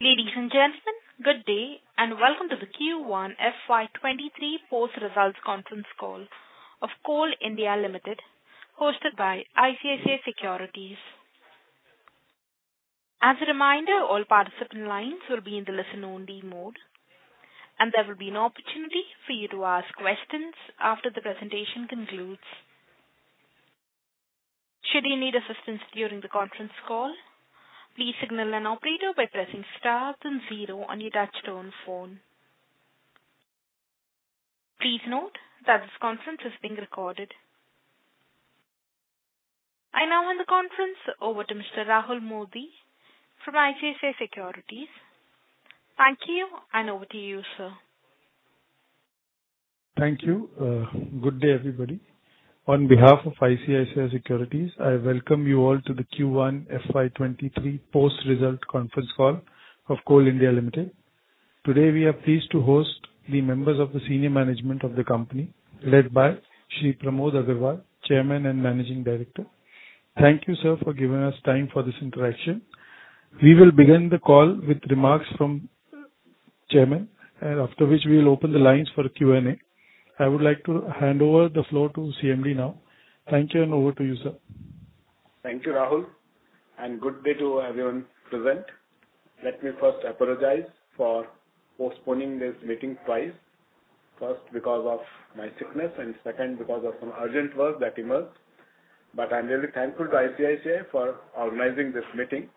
Ladies and gentlemen, good day, and welcome to the Q1 FY23 post-results conference call of Coal India Limited, hosted by ICICI Securities. As a reminder, all participant lines will be in the listen only mode, and there will be an opportunity for you to ask questions after the presentation concludes. Should you need assistance during the conference call, please signal an operator by pressing star then zero on your touchtone phone. Please note that this conference is being recorded. I now hand the conference over to Mr. Rahul Modi from ICICI Securities. Thank you, and over to you, sir. Thank you. Good day, everybody. On behalf of ICICI Securities, I welcome you all to the Q1 FY23 post-result conference call of Coal India Limited. Today, we are pleased to host the members of the senior management of the company, led by Shri Pramod Agarwal, Chairman and Managing Director. Thank you, sir, for giving us time for this interaction. We will begin the call with remarks from Chairman, and after which we will open the lines for Q&A. I would like to hand over the floor to CMD now. Thank you, and over to you, sir. Thank you, Rahul, and good day to everyone present. Let me first apologize for postponing this meeting twice. First, because of my sickness, and second because of some urgent work that emerged. I'm really thankful to ICICI for organizing this meeting.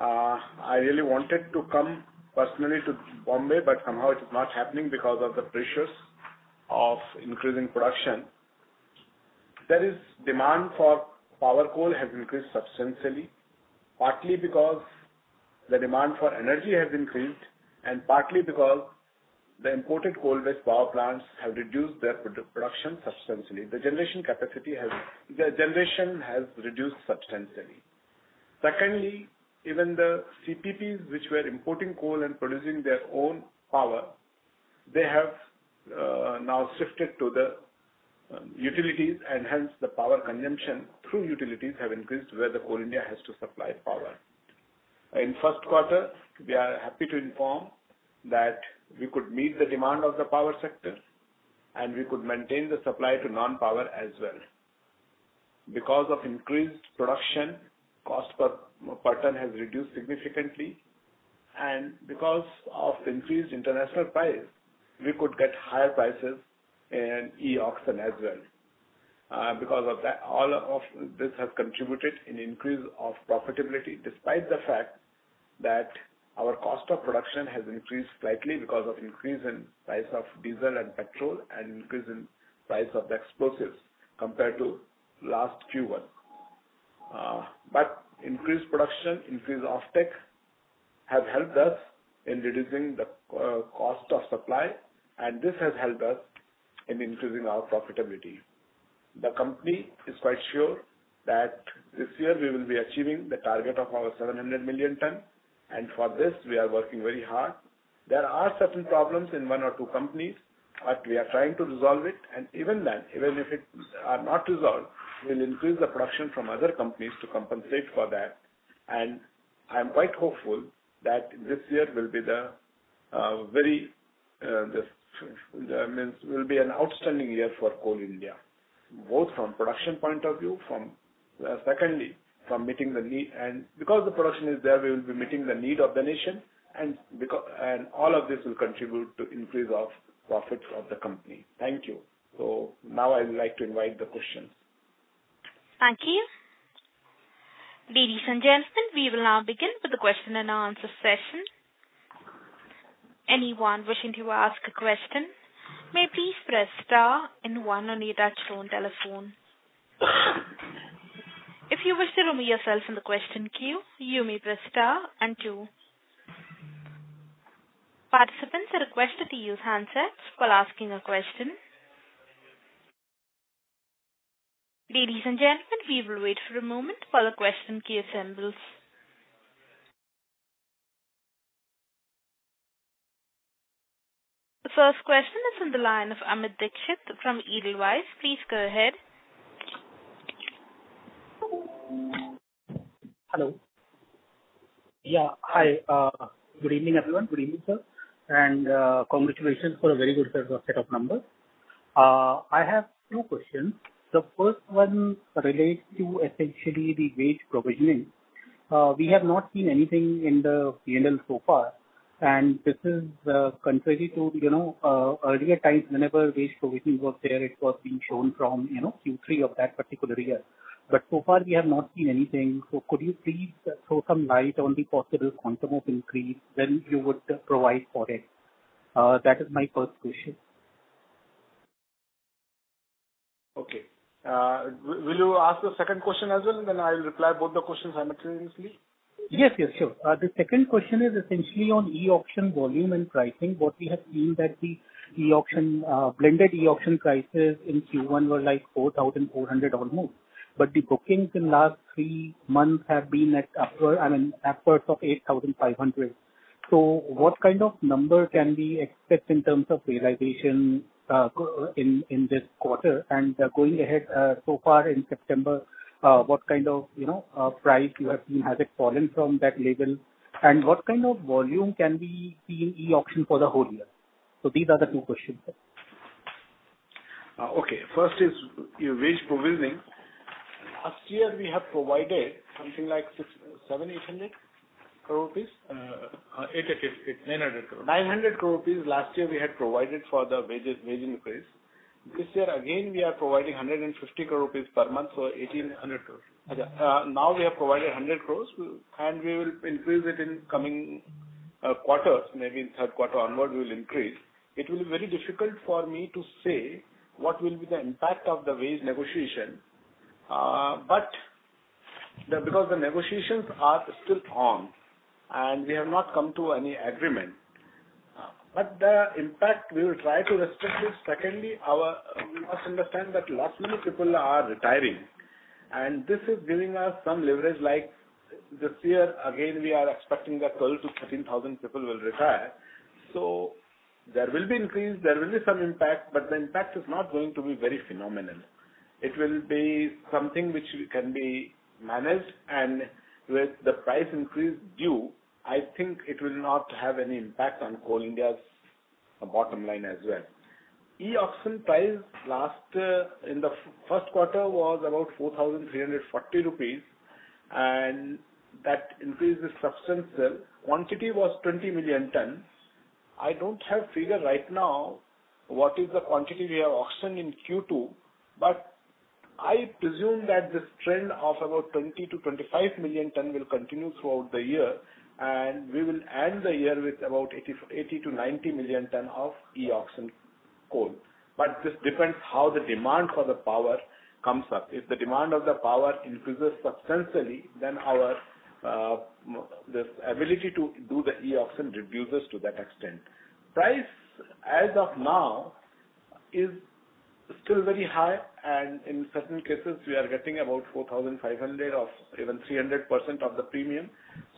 I really wanted to come personally to Bombay, but somehow it is not happening because of the pressures of increasing production. That is, demand for power coal has increased substantially, partly because the demand for energy has increased, and partly because the imported coal-based power plants have reduced their production substantially. The generation has reduced substantially. Secondly, even the CTPs which were importing coal and producing their own power, they have now shifted to the utilities and hence the power consumption through utilities have increased where the Coal India has to supply power. In first quarter, we are happy to inform that we could meet the demand of the power sector, and we could maintain the supply to non-power as well. Because of increased production, cost per ton has reduced significantly. Because of increased international price, we could get higher prices in e-auction as well. Because of that, all of this has contributed in increase of profitability, despite the fact that our cost of production has increased slightly because of increase in price of diesel and petrol and increase in price of the explosives compared to last Q1. Increased production, increase of offtake has helped us in reducing the cost of supply, and this has helped us in increasing our profitability. The company is quite sure that this year we will be achieving the target of our 700 million ton, and for this we are working very hard. There are certain problems in one or two companies, but we are trying to resolve it. Even then, even if it are not resolved, we'll increase the production from other companies to compensate for that. I'm quite hopeful that this year, I mean, it will be an outstanding year for Coal India, both from production point of view, secondly, from meeting the need. Because the production is there, we will be meeting the need of the nation. All of this will contribute to increase of profits of the company. Thank you. Now I would like to invite the questions. Thank you. Ladies and gentlemen, we will now begin with the question and answer session. Anyone wishing to ask a question may please press star then one on your touchtone telephone. If you wish to remove yourself from the question queue, you may press star and two. Participants are requested to use handsets while asking a question. Ladies and gentlemen, we will wait for a moment while the question queue assembles. The first question is on the line of Amit Dixit from Edelweiss. Please go ahead. Hello. Yeah. Hi. Good evening, everyone. Good evening, sir. Congratulations for a very good set of numbers. I have two questions. The first one relates to essentially the wage provisioning. We have not seen anything in the P&L so far, and this is contrary to, you know, earlier times, whenever wage provisioning was there, it was being shown from, you know, Q3 of that particular year. So far we have not seen anything. Could you please throw some light on the possible quantum of increase when you would provide for it? That is my first question. Okay. Will you ask the second question as well? Then I'll reply both the questions simultaneously. Yes, yes, sure. The second question is essentially on e-auction volume and pricing. What we have seen that the e-auction blended e-auction prices in Q1 were like 4,400 or more, but the bookings in last three months have been at upward, I mean, upwards of 8,500. So what kind of number can we expect in terms of realization in this quarter? And going ahead, so far in September, what kind of, you know, price you have seen? Has it fallen from that level? And what kind of volume can we see in e-auction for the whole year? These are the two questions, sir. Okay. First is your wage provisioning. Last year we have provided something like 600-800 crore rupees? Eight at least. It's 900 crore. 900 crore rupees last year we had provided for the wages, wage increase. This year, again, we are providing 150 crore rupees per month, so 1,800 crore. Okay. Now we have provided 100 crores, and we will increase it in coming quarters. Maybe in third quarter onward we'll increase. It will be very difficult for me to say what will be the impact of the wage negotiation, but because the negotiations are still on, and we have not come to any agreement. But the impact, we will try to restrict it. Secondly, our you must understand that lots many people are retiring, and this is giving us some leverage. Like this year, again, we are expecting that 12,000-13,000 people will retire. So there will be increase, there will be some impact, but the impact is not going to be very phenomenal. It will be something which can be managed. With the price increase due, I think it will not have any impact on Coal India's bottom line as well. E-auction price last in the first quarter was about 4,300 rupees, and that increase is substantial. Quantity was 20 million tons. I don't have figure right now what is the quantity we have auctioned in Q2, but I presume that this trend of about 20-25 million ton will continue throughout the year, and we will end the year with about 80-90 million ton of E-auction coal. This depends how the demand for the power comes up. If the demand of the power increases substantially, then our this ability to do the E-auction reduces to that extent. Price as of now is still very high, and in certain cases we are getting about 4,500 or even 300% of the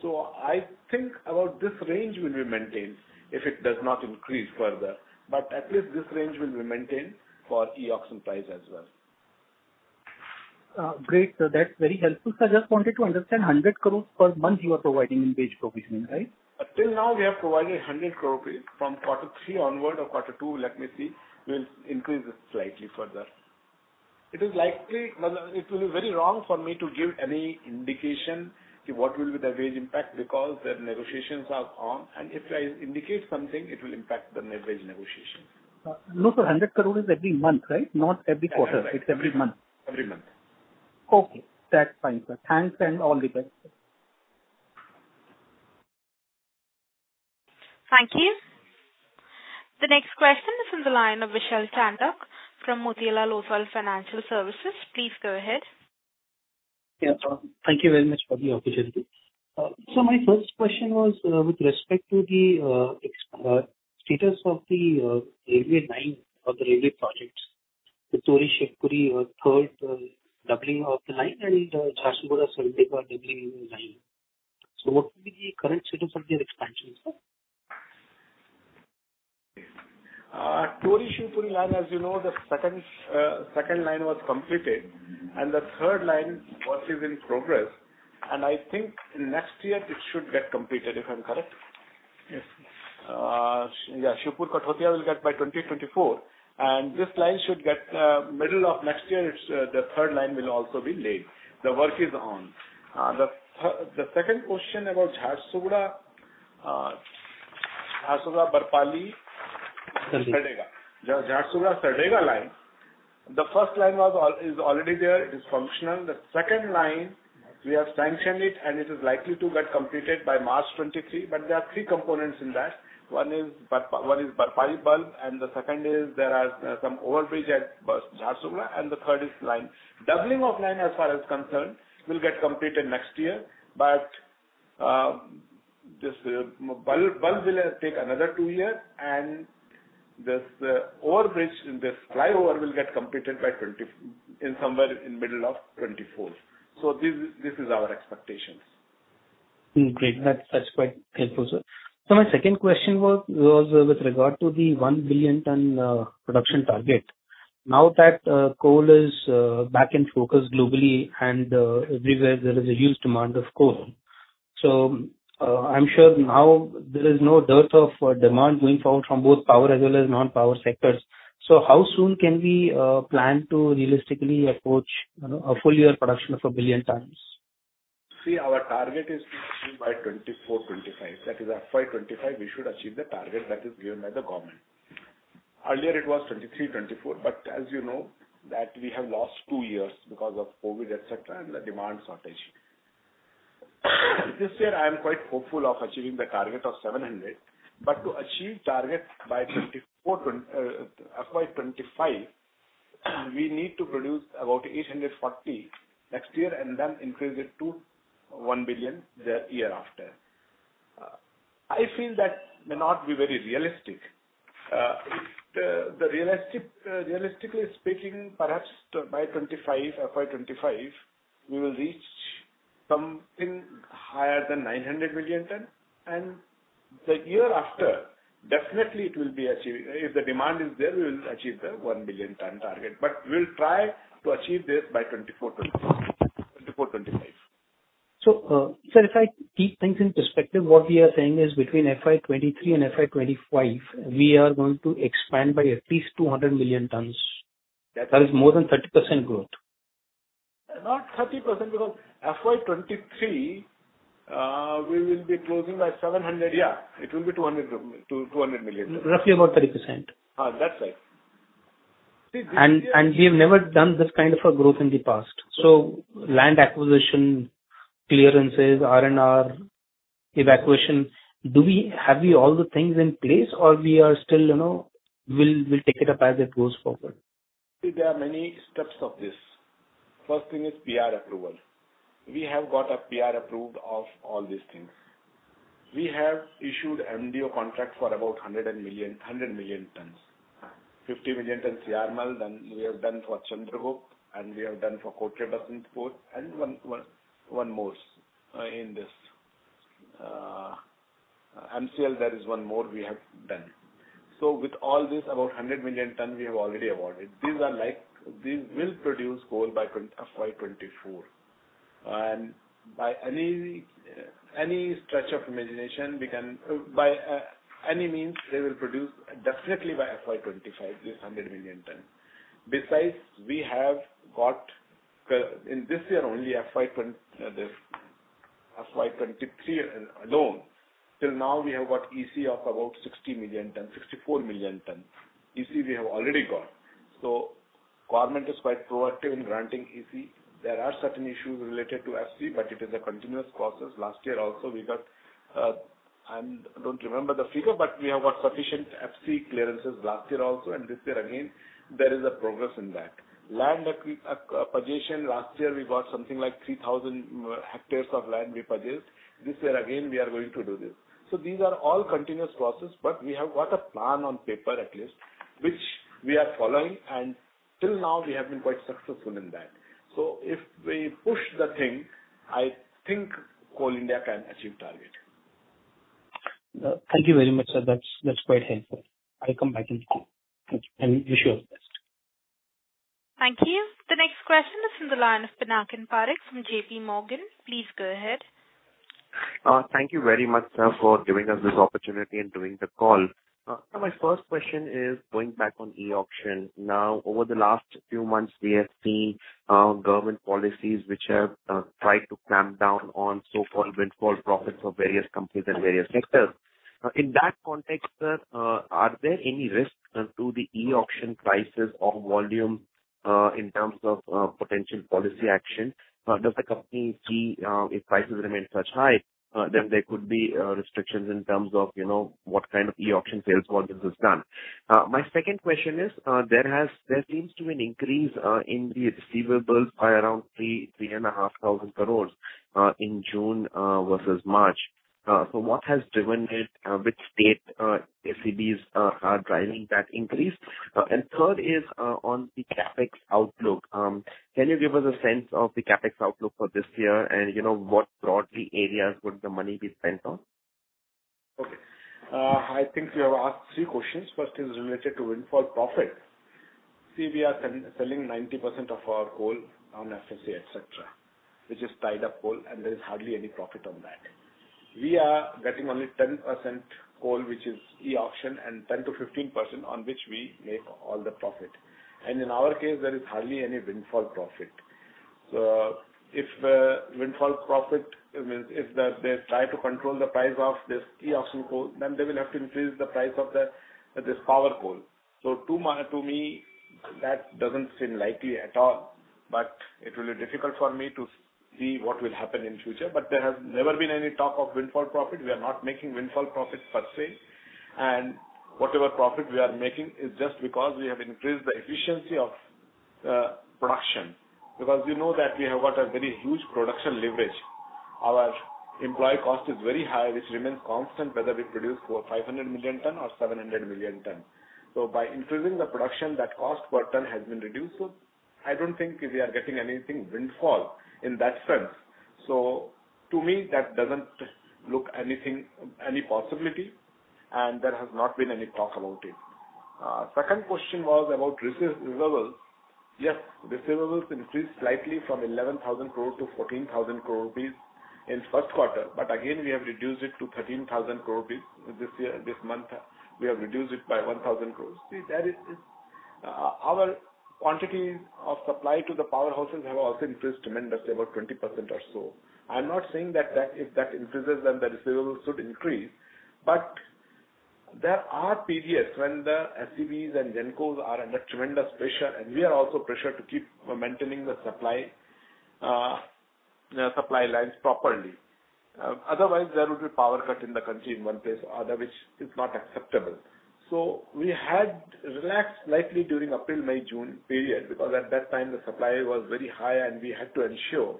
premium. I think about this range will be maintained if it does not increase further. At least this range will be maintained for e-rapuruction price as well. Great. That's very helpful, sir. Just wanted to understand, 100 crores per month you are providing in wage provisioning, right? Till now we have provided 100 crore. From quarter three onward or quarter two, let me see, we'll increase it slightly further. It is likely. Well, it will be very wrong for me to give any indication to what will be the wage impact because the negotiations are on, and if I indicate something, it will impact the wage negotiation. No, sir, 100 crore is every month, right? Not every quarter. That's right. It's every month. Every month. Okay. That's fine, sir. Thanks and all the best. Thank you. The next question is from the line of Vishal Chandak from Motilal Oswal Financial Services. Please go ahead. Yeah. Thank you very much for the opportunity. My first question was with respect to the status of the railway line or the railway projects. The Tori-Shivpur third doubling of the line and Jharsuguda-Sardega doubling of the line. What will be the current status of these expansions, sir? Tori-Shivpur line, as you know, the second line was completed, and the third line work is in progress. I think next year it should get completed, if I'm correct. Yes. Yeah. Shivpur-Kathautia will get by 2024. This line should get middle of next year. It's the third line will also be laid. The work is on. The second question about Jharsuguda-Barpali- Sardega. Sardega. Jharsuguda-Sardega line. The first line is already there, it is functional. The second line, we have sanctioned it and it is likely to get completed by March 2023. There are three components in that. One is Barpali loop, and the second is some overbridge at Jharsuguda, and the third is line. Doubling of line as far as concerned will get completed next year. This loop will take another two year, and this overbridge, this flyover will get completed in somewhere in middle of 2024. This is our expectations. Great. That's quite helpful, sir. My second question was with regard to the 1 billion ton production target. Now that coal is back in focus globally and everywhere there is a huge demand of coal. I'm sure now there is no dearth of demand going forward from both power as well as non-power sectors. How soon can we plan to realistically approach, you know, a full year production of 1 billion tons? See, our target is to achieve by 2024, 2025. That is FY 2025 we should achieve the target that is given by the government. Earlier it was 2023, 2024, but as you know that we have lost two years because of COVID, et cetera, and the demand shortage. This year I am quite hopeful of achieving the target of 700. To achieve target by 2024, FY 2025, we need to produce about 840 next year, and then increase it to 1 billion the year after. I feel that may not be very realistic. Realistically speaking, perhaps by 2025, FY 2025, we will reach something higher than 900 million tons. The year after, definitely it will be achieved. If the demand is there, we will achieve the 1 billion ton target. We'll try to achieve this by 2024, 2025. Sir, if I keep things in perspective, what we are saying is between FY23 and FY25, we are going to expand by at least 200 million tons. Yes. That is more than 30% growth. Not 30%, because FY 2023, we will be closing at 700. Yeah, it will be 200 million. Roughly about 30%. That's right. We have never done this kind of a growth in the past. Land acquisition, clearances, R&R, evacuation, have we all the things in place or we are still, you know, we'll take it up as it goes forward? See, there are many steps of this. First thing is PR approval. We have got a PR approved of all these things. We have issued MDO contracts for about 100 million tons. 50 million tons Siarmal, then we have done for Chandrapur, and we have done for Kotra Basantpur, and one more in this. MCL, there is one more we have done. So with all this, about 100 million ton we have already awarded. These are. We will produce coal by FY 2024. By any stretch of imagination, we can. By any means, they will produce definitely by FY 2025, this 100 million ton. Besides, we have got, in this year only, FY 2023 alone, till now we have got EC of about 60 million ton, 64 million ton. EC we have already got. Government is quite proactive in granting EC. There are certain issues related to FC, but it is a continuous process. Last year also we got, don't remember the figure, but we have got sufficient FC clearances last year also, and this year again, there is a progress in that. Land acquisition, last year we got something like 3,000 hectares of land we purchased. This year again, we are going to do this. These are all continuous process, but we have got a plan on paper at least, which we are following, and till now we have been quite successful in that. If we push the thing, I think Coal India can achieve target. Thank you very much, sir. That's quite helpful. I'll come back and wish you all the best. Thank you. The next question is from the line of Pinakin Parekh from JPMorgan. Please go ahead. Thank you very much, sir, for giving us this opportunity and doing the call. So my first question is going back on e-auction. Now, over the last few months, we have seen government policies which have tried to clamp down on so-called windfall profits of various companies and various sectors. In that context, sir, are there any risks to the e-auction prices or volume in terms of potential policy action? Does the company see, if prices remain such high, then there could be restrictions in terms of, you know, what kind of e-auction sales volumes is done? My second question is, there seems to be an increase in the receivables by around 3,500 crore in June versus March. So what has driven it? Which state SCBs are driving that increase? Third is on the CapEx outlook. Can you give us a sense of the CapEx outlook for this year and, you know, what broadly areas would the money be spent on? Okay. I think you have asked three questions. First is related to windfall profit. See, we are selling 90% of our coal on SSC, etc., which is tied up coal, and there is hardly any profit on that. We are getting only 10% coal, which is e-auction, and 10%-15% on which we make all the profit. In our case, there is hardly any windfall profit. If windfall profit, I mean, if they try to control the price of this e-auction coal, then they will have to increase the price of this power coal. To me, that doesn't seem likely at all, but it will be difficult for me to see what will happen in future. There has never been any talk of windfall profit. We are not making windfall profit per se. Whatever profit we are making is just because we have increased the efficiency of production. Because we know that we have got a very huge production leverage. Our employee cost is very high, which remains constant, whether we produce 400-500 million ton or 700 million ton. By increasing the production, that cost per ton has been reduced. I don't think we are getting anything windfall in that sense. To me, that doesn't look anything, any possibility, and there has not been any talk about it. Second question was about receivables. Yes, receivables increased slightly from 11,000 crore to 14,000 crore rupees in first quarter, but again, we have reduced it to 13,000 crore rupees this year, this month. We have reduced it by 1,000 crore. See, there is. Our quantities of supply to the powerhouses have also increased tremendously, about 20% or so. I'm not saying that if that increases, then the receivables should increase. There are periods when the SCBs and Gencos are under tremendous pressure, and we are also pressured to keep maintaining the supply, the supply lines properly. Otherwise there will be power cut in the country in one place or other, which is not acceptable. We had relaxed slightly during April, May, June period, because at that time the supply was very high, and we had to ensure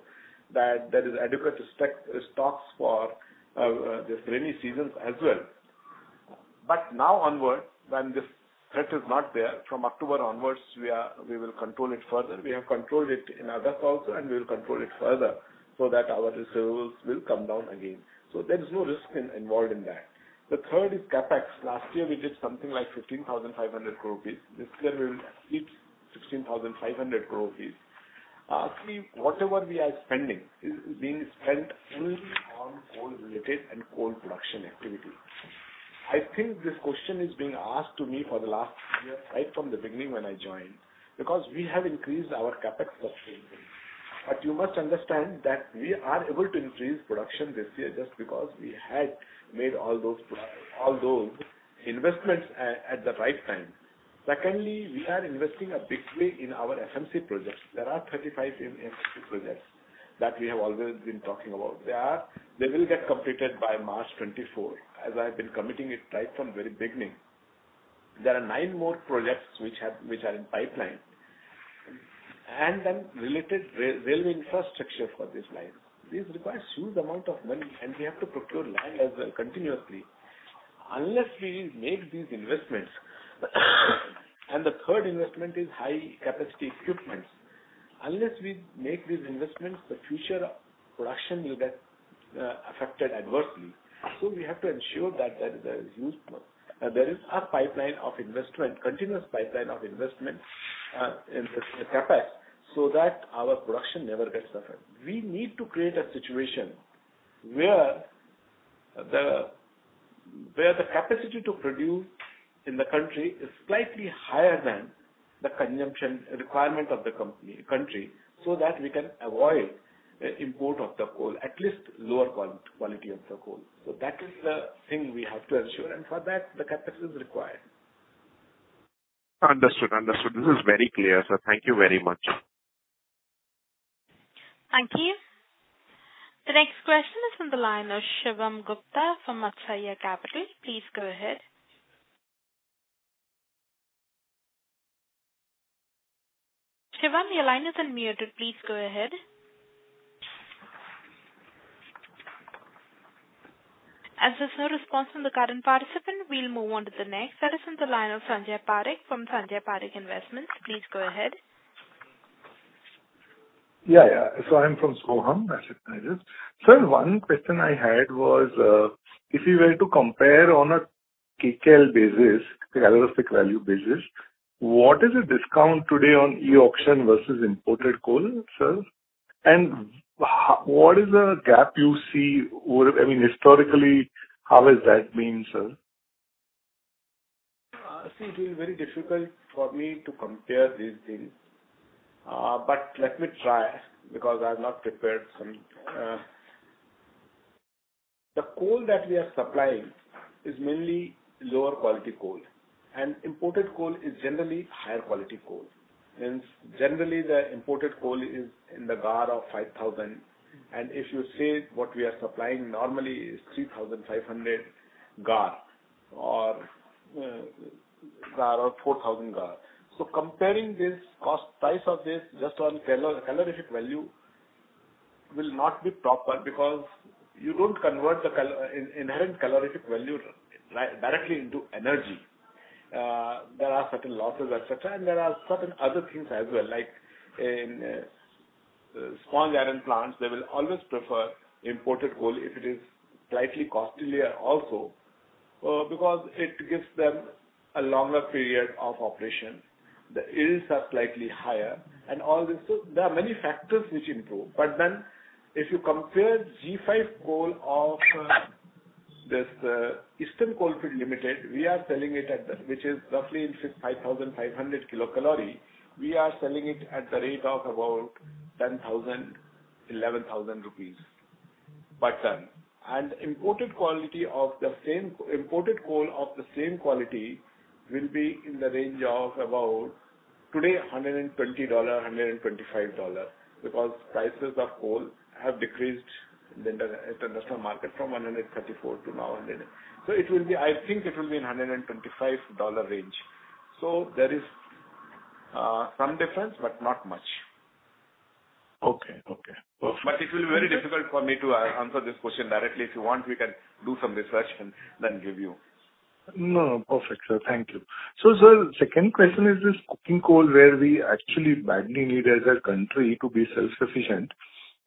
that there is adequate spec-stocks for this rainy seasons as well. Now onwards, when this threat is not there, from October onwards, we will control it further. We have controlled it in August also, and we will control it further so that our receivables will come down again. There is no risk involved in that. The third is CapEx. Last year we did something like 15,500 crore rupees. This year we will keep 16,500 crore rupees. See, whatever we are spending is being spent fully on coal related and coal production activity. I think this question is being asked to me for the last year, right from the beginning when I joined, because we have increased our CapEx substantially. You must understand that we are able to increase production this year just because we had made all those investments at the right time. Secondly, we are investing in a big way in our FMC projects. There are 35 FMC projects that we have always been talking about. They will get completed by March 2024, as I have been committing it right from very beginning. There are nine more projects which are in pipeline, and then related railway infrastructure for these lines. This requires huge amount of money, and we have to procure land as well continuously. Unless we make these investments and the third investment is high capacity equipment. Unless we make these investments, the future production will get affected adversely. We have to ensure that there is a pipeline of investment, continuous pipeline of investment, in the CapEx, so that our production never gets suffered. We need to create a situation where the capacity to produce in the country is slightly higher than the consumption requirement of the country, so that we can avoid import of the coal, at least lower quality of the coal. That is the thing we have to ensure, and for that, the CapEx is required. Understood. This is very clear, sir. Thank you very much. Thank you. The next question is from the line of Shivam Gupta from Akshaya Capital. Please go ahead. Shivam, your line is unmuted. Please go ahead. As there's no response from the current participant, we'll move on to the next. That is on the line of Sanjay Parekh from Sanjay Parekh Investments. Please go ahead. I'm from Soham, Asset Management. Sir, one question I had was, if you were to compare on a kcal basis, the calorific value basis, what is the discount today on e-auction versus imported coal, sir? What is the gap you see, I mean, historically, how has that been, sir? See, it is very difficult for me to compare these things. Let me try because I've not prepared some. The coal that we are supplying is mainly lower quality coal, and imported coal is generally higher quality coal. Hence, generally, the imported coal is in the GAR of 5,000. If you see what we are supplying normally is 3,500 GAR or GAR or 4,000 GAR. Comparing this cost, price of this just on calorific value will not be proper because you don't convert the inherent calorific value directly into energy. There are certain losses, etc. There are certain other things as well, like in sponge iron plants, they will always prefer imported coal if it is slightly costlier also, because it gives them a longer period of operation. The yields are slightly higher and all this. There are many factors which improve. If you compare G5 coal of this Eastern Coalfields Limited, we are selling it at the, which is roughly in 5,500 kcal. We are selling it at the rate of about 10,000-11,000 rupees per ton. Imported coal of the same quality will be in the range of about today $120-$125, because prices of coal have decreased in the international market from $134 to now $120. It will be, I think it will be in $125 range. There is some difference, but not much. Okay. Okay. It will be very difficult for me to answer this question directly. If you want, we can do some research and then give you. No, perfect, sir. Thank you. Sir, second question is this coking coal, where we actually badly need as a country to be self-sufficient.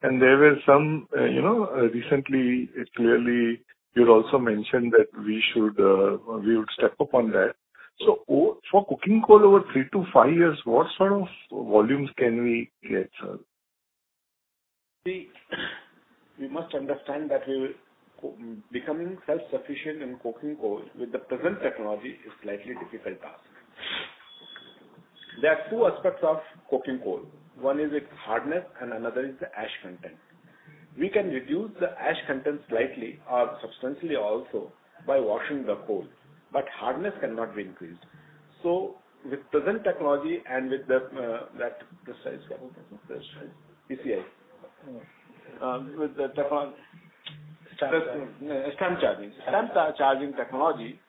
There were some, you know, recently you'd also mentioned that we would step up on that. For coking coal over 3-five years, what sort of volumes can we get, sir? See, we must understand that we're becoming self-sufficient in coking coal with the present technology is slightly difficult task. There are two aspects of coking coal. One is its hardness, and another is the ash content. We can reduce the ash content slightly or substantially also by washing the coal, but hardness cannot be increased. With present technology and with that precise capital, precise PCI, with the techno- Stamp. Stamp charging. Stamp charging technology,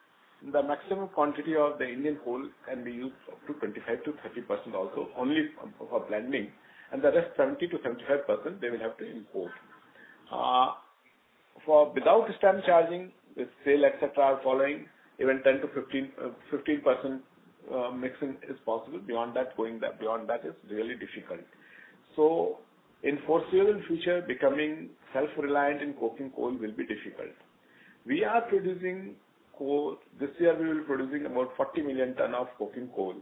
the maximum quantity of the Indian coal can be used up to 25%-30% also only for blending, and the rest 70%-75% they will have to import. For without stamp charging, the same, et cetera, following even 10%-15% mixing is possible. Beyond that is really difficult. In foreseeable future, becoming self-reliant in coking coal will be difficult. We are producing coal. This year we will be producing about 40 million tons of coking coal.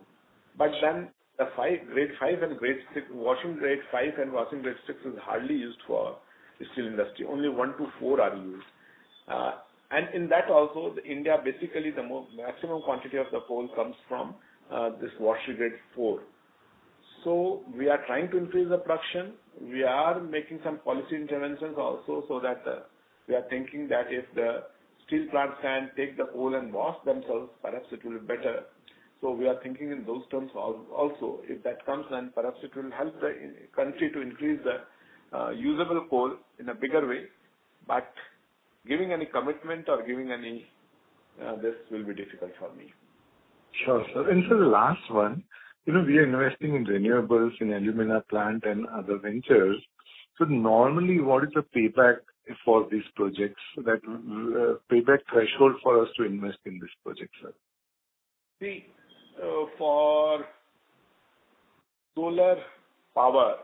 The 5, grade 5 and grade 6, washing grade 5 and washing grade 6 is hardly used for the steel industry. Only 1-4 are used. In that also India, basically the maximum quantity of the coal comes from this washing grade 4. We are trying to increase the production. We are making some policy interventions also, so that we are thinking that if the steel plants can take the coal and wash themselves, perhaps it will be better. We are thinking in those terms also. If that comes, then perhaps it will help the country to increase the usable coal in a bigger way. Giving any commitment or giving any, this will be difficult for me. Sure, sir. Sir, the last one. You know, we are investing in renewables, in alumina plant and other ventures. Normally, what is the payback for these projects? That, payback threshold for us to invest in this project, sir. See, for solar power,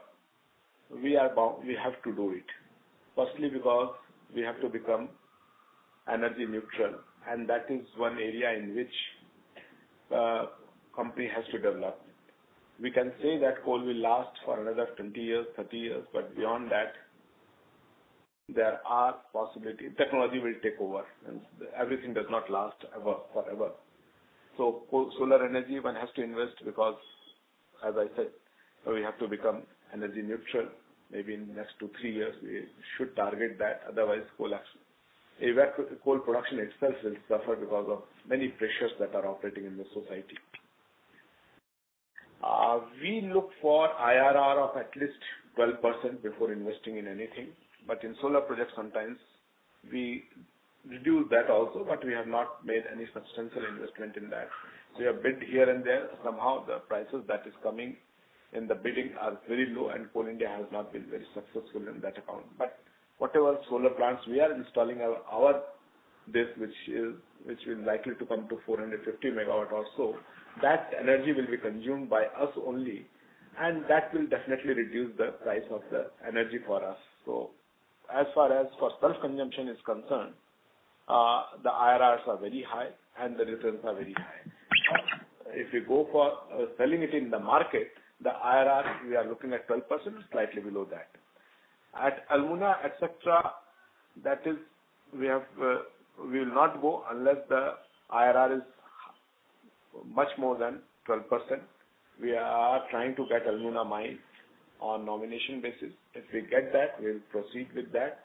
we are bound. We have to do it. Firstly, because we have to become energy neutral, and that is one area in which company has to develop. We can say that coal will last for another 20 years, 30 years, but beyond that technology will take over and everything does not last ever forever. Coal, solar energy one has to invest because as I said, we have to become energy neutral. Maybe in next two, three years we should target that. Otherwise coal production itself will suffer because of many pressures that are operating in the society. We look for IRR of at least 12% before investing in anything. But in solar projects sometimes we reduce that also. But we have not made any substantial investment in that. We have bid here and there. Somehow the prices that is coming in the bidding are very low and Coal India has not been very successful in that account. Whatever solar plants we are installing or this which is likely to come to 450 MW or so, that energy will be consumed by us only, and that will definitely reduce the price of the energy for us. As far as for self-consumption is concerned, the IRRs are very high and the returns are very high. If you go for selling it in the market, the IRRs we are looking at 12% or slightly below that. At alumina, et cetera, that is we will not go unless the IRR is much more than 12%. We are trying to get alumina mine on nomination basis. If we get that, we'll proceed with that.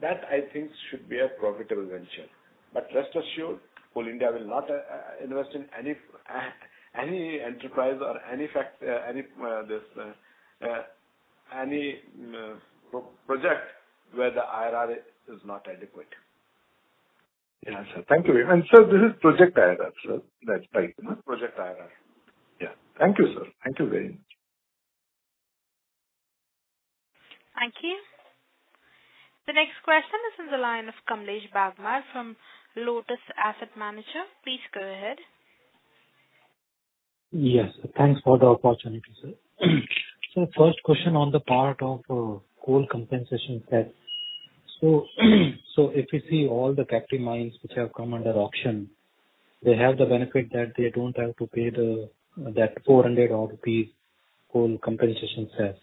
That I think should be a profitable venture. Rest assured, Coal India will not invest in any enterprise or any project where the IRR is not adequate. Yeah, sir. Thank you. Sir, this is project IRR, sir, that's right. Project IRR. Yeah. Thank you, sir. Thank you very much. Thank you. The next question is in the line of Kamlesh Bagmar from Lotus Asset Managers. Please go ahead. Yes. Thanks for the opportunity, sir. First question on the part of coal compensation tax. If you see all the captive mines which have come under auction, they have the benefit that they don't have to pay the, that 400 rupees coal compensation tax.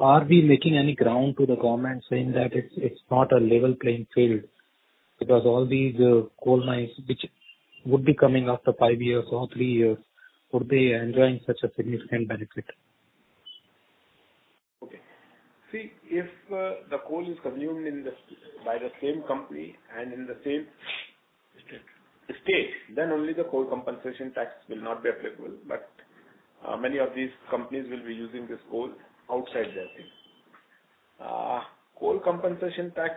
Are we gaining any ground to the government saying that it's not a level playing field? Because all these coal mines which would be coming after five years or three years, would be enjoying such a significant benefit? See if the coal is consumed by the same company and in the same state, then only the coal compensation tax will not be applicable. Many of these companies will be using this coal outside their state. How long will the coal compensation tax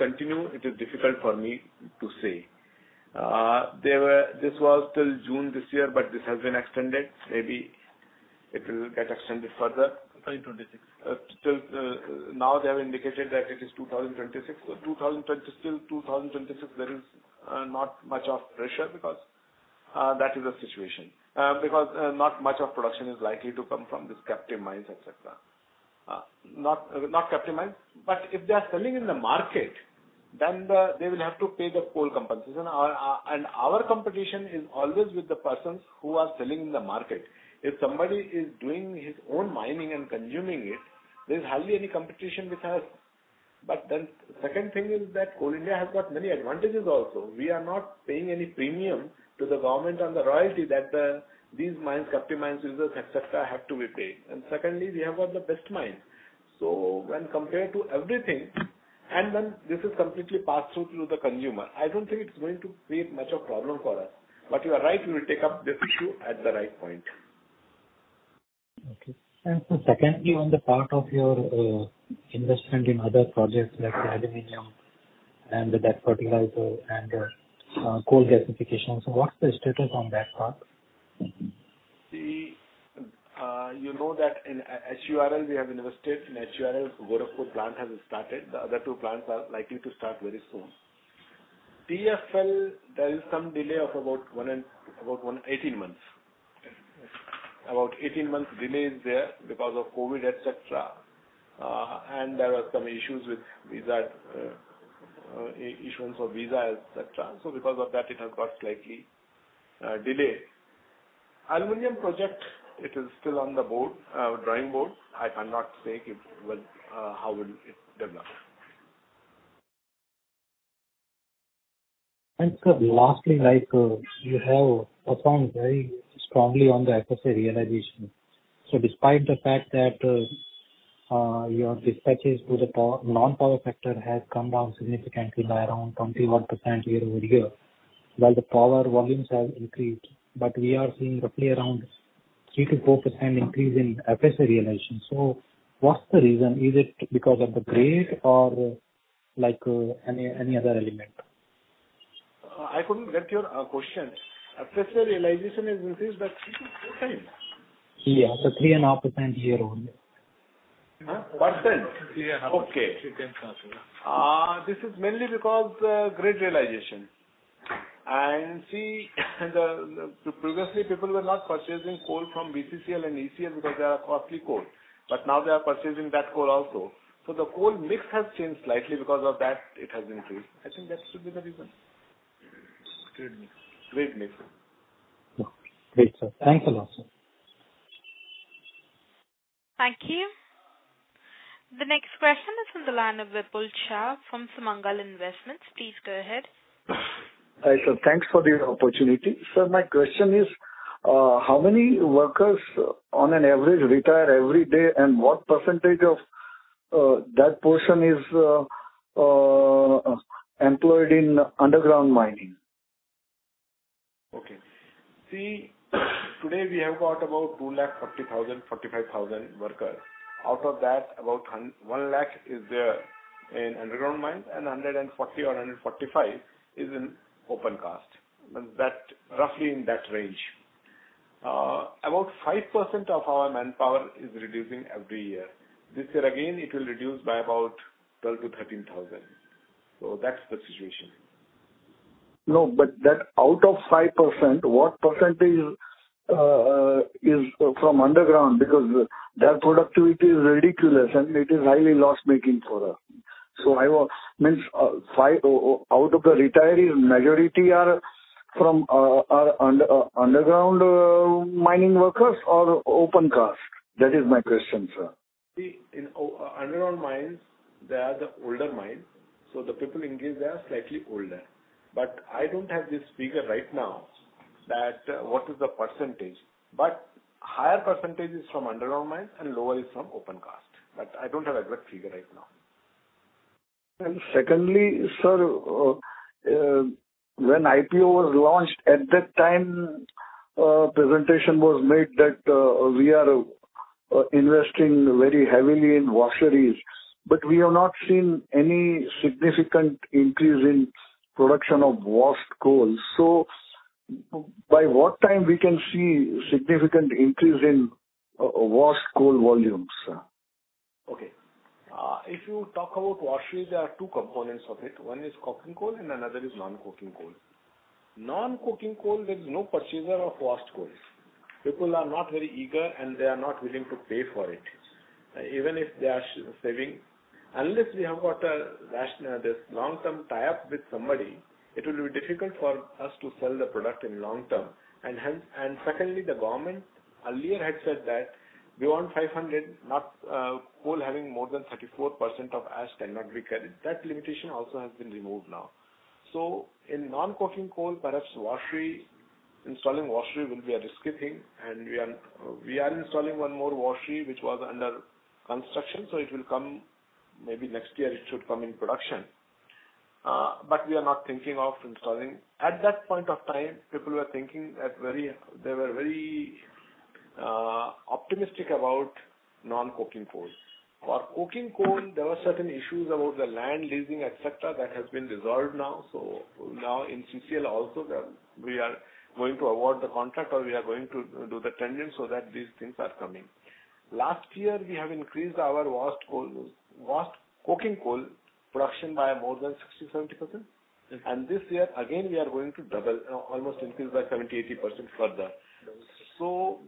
continue? It is difficult for me to say. This was till June this year, but this has been extended. Maybe it will get extended further. Till 2026. Till now they have indicated that it is 2026. 2020 till 2026, there is not much of pressure because that is the situation. Because not much of production is likely to come from this captive mines, et cetera. Not captive mines. If they are selling in the market, then they will have to pay the coal compensation. Our competition is always with the persons who are selling in the market. If somebody is doing his own mining and consuming it, there's hardly any competition with us. Second thing is that Coal India has got many advantages also. We are not paying any premium to the government on the royalty that these mines, captive mines users, et cetera, have to be paid. Secondly, we have got the best mines. When compared to everything, and then this is completely passed through to the consumer, I don't think it's going to create much of a problem for us. You are right, we will take up this issue at the right point. Okay. Sir, secondly, on the part of your investment in other projects like aluminum and the Talcher fertilizer and coal gasification. What's the status on that part? See, you know that in HURL we have invested. In HURL, Gorakhpur plant has started. The other two plants are likely to start very soon. TFL, there is some delay of about 18 months. About 18 months delay is there because of COVID, et cetera. And there are some issues with visa issuance of visa, et cetera. Because of that, it has got slightly delayed. Aluminum project, it is still on the drawing board. I cannot say how it will develop. Thanks, sir. Lastly, like, you have performed very strongly on the FSA realization. Despite the fact that your dispatches to the non-power sector has come down significantly by around 21% year-over-year, while the power volumes have increased. We are seeing roughly around 3%-4% increase in FSA realization. What's the reason? Is it because of the grade or like any other element? I couldn't get your question. FSA realization has increased by 3x-4x. 3.5% year-on-year. Huh? Percent? Three and a half percent. Okay. You can answer that. This is mainly because grade realization. See, previously people were not purchasing coal from BCCL and ECL because they are costly coal. Now they are purchasing that coal also. The coal mix has changed slightly because of that it has increased. I think that should be the reason. Grade mix. Grade mix. Great, sir. Thanks a lot, sir. Thank you. The next question is from the line of Vipul Shah from Sumangal Investments. Please go ahead. Hi, sir. Thanks for the opportunity. Sir, my question is, how many workers on an average retire every day, and what percentage of that portion is employed in underground mining? Okay. See, today we have got about 240,000-245,000 workers. Out of that, about one lakh is there in underground mine and 140 or 145 is in open cast. That roughly in that range. About 5% of our manpower is reducing every year. This year again, it will reduce by about 12,000-13,000. That's the situation. No, but that, out of 5%, what percentage is from underground? Because their productivity is ridiculous, and it is highly loss-making for us. Out of the retirees, majority are from underground mining workers or open cast? That is my question, sir. See, in underground mines, they are the older mines, so the people engaged there are slightly older. I don't have this figure right now that what is the percentage. Higher percentage is from underground mines and lower is from open cast. I don't have exact figure right now. Secondly, sir, when IPO was launched, at that time, presentation was made that we are investing very heavily in washeries. But we have not seen any significant increase in production of washed coal. By what time we can see significant increase in washed coal volumes, sir? If you talk about washeries, there are two components of it. One is coking coal and another is non-coking coal. Non-coking coal, there's no purchaser of washed coal. People are not very eager, and they are not willing to pay for it. Even if they are saving. Unless we have got a FSA, this long-term tie-up with somebody, it will be difficult for us to sell the product in long term. Secondly, the government earlier had said that beyond 500 km, coal having more than 34% of ash cannot be carried. That limitation also has been removed now. In non-coking coal, perhaps washery, installing washery will be a risky thing. We are installing one more washery which was under construction, so it will come, maybe next year it should come in production. We are not thinking of installing. At that point of time, people were very optimistic about non-coking coals. For coking coal, there were certain issues about the land leasing, et cetera, that has been resolved now. Now in CCL also, we are going to award the contract or we are going to do the tender so that these things are coming. Last year, we have increased our washed coal, washed coking coal production by more than 60%-70%. This year, again, we are going to double, almost increase by 70%-80% further. Two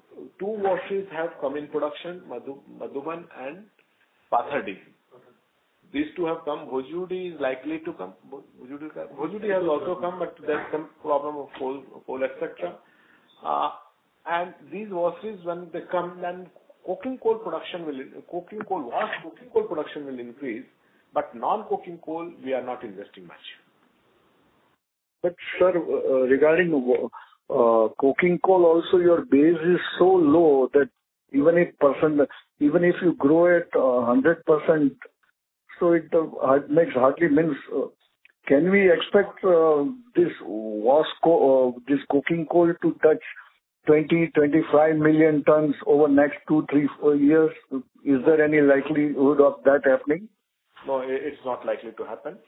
washeries have come in production, Madhuban and Patherdih. These two have come. Bhojudih is likely to come. Bhojudih, sir? Bhojudih has also come, but there's some problem of coal, et cetera. These washeries, when they come, then coking coal production will increase. Non-coking coal, we are not investing much. Sir, regarding coking coal also, your base is so low that even if you grow it 100%, so it makes hardly any difference. Can we expect this coking coal to touch 20-25 million tons over next two to four years? Is there any likelihood of that happening? No, it's not likely to happen.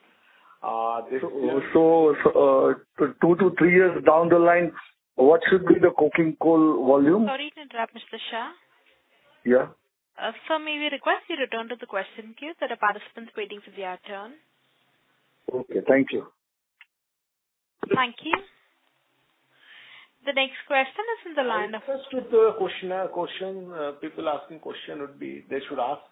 This year. Two-three years down the line, what should be the coking coal volume? Sorry to interrupt, Mr. Shah. Yeah. Sir, may we request you return to the question queue. There are participants waiting for their turn. Okay, thank you. Thank you. The next question is from the line of First with the question, people asking question would be, they should ask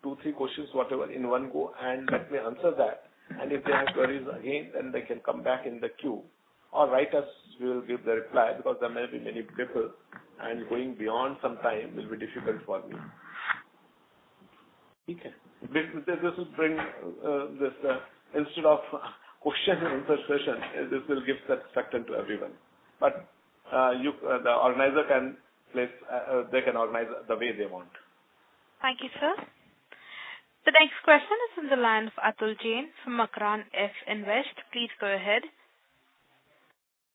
two, three questions, whatever, in one go, and let me answer that. If they have queries again, then they can come back in the queue. Or write us, we will give the reply because there may be many people, and going beyond some time will be difficult for me. This will bring, instead of question intercession, this will give satisfaction to everyone. The organizer can place. They can organize the way they want. Thank you, sir. The next question is from the line of Atul Jain from Makaran F Invest. Please go ahead.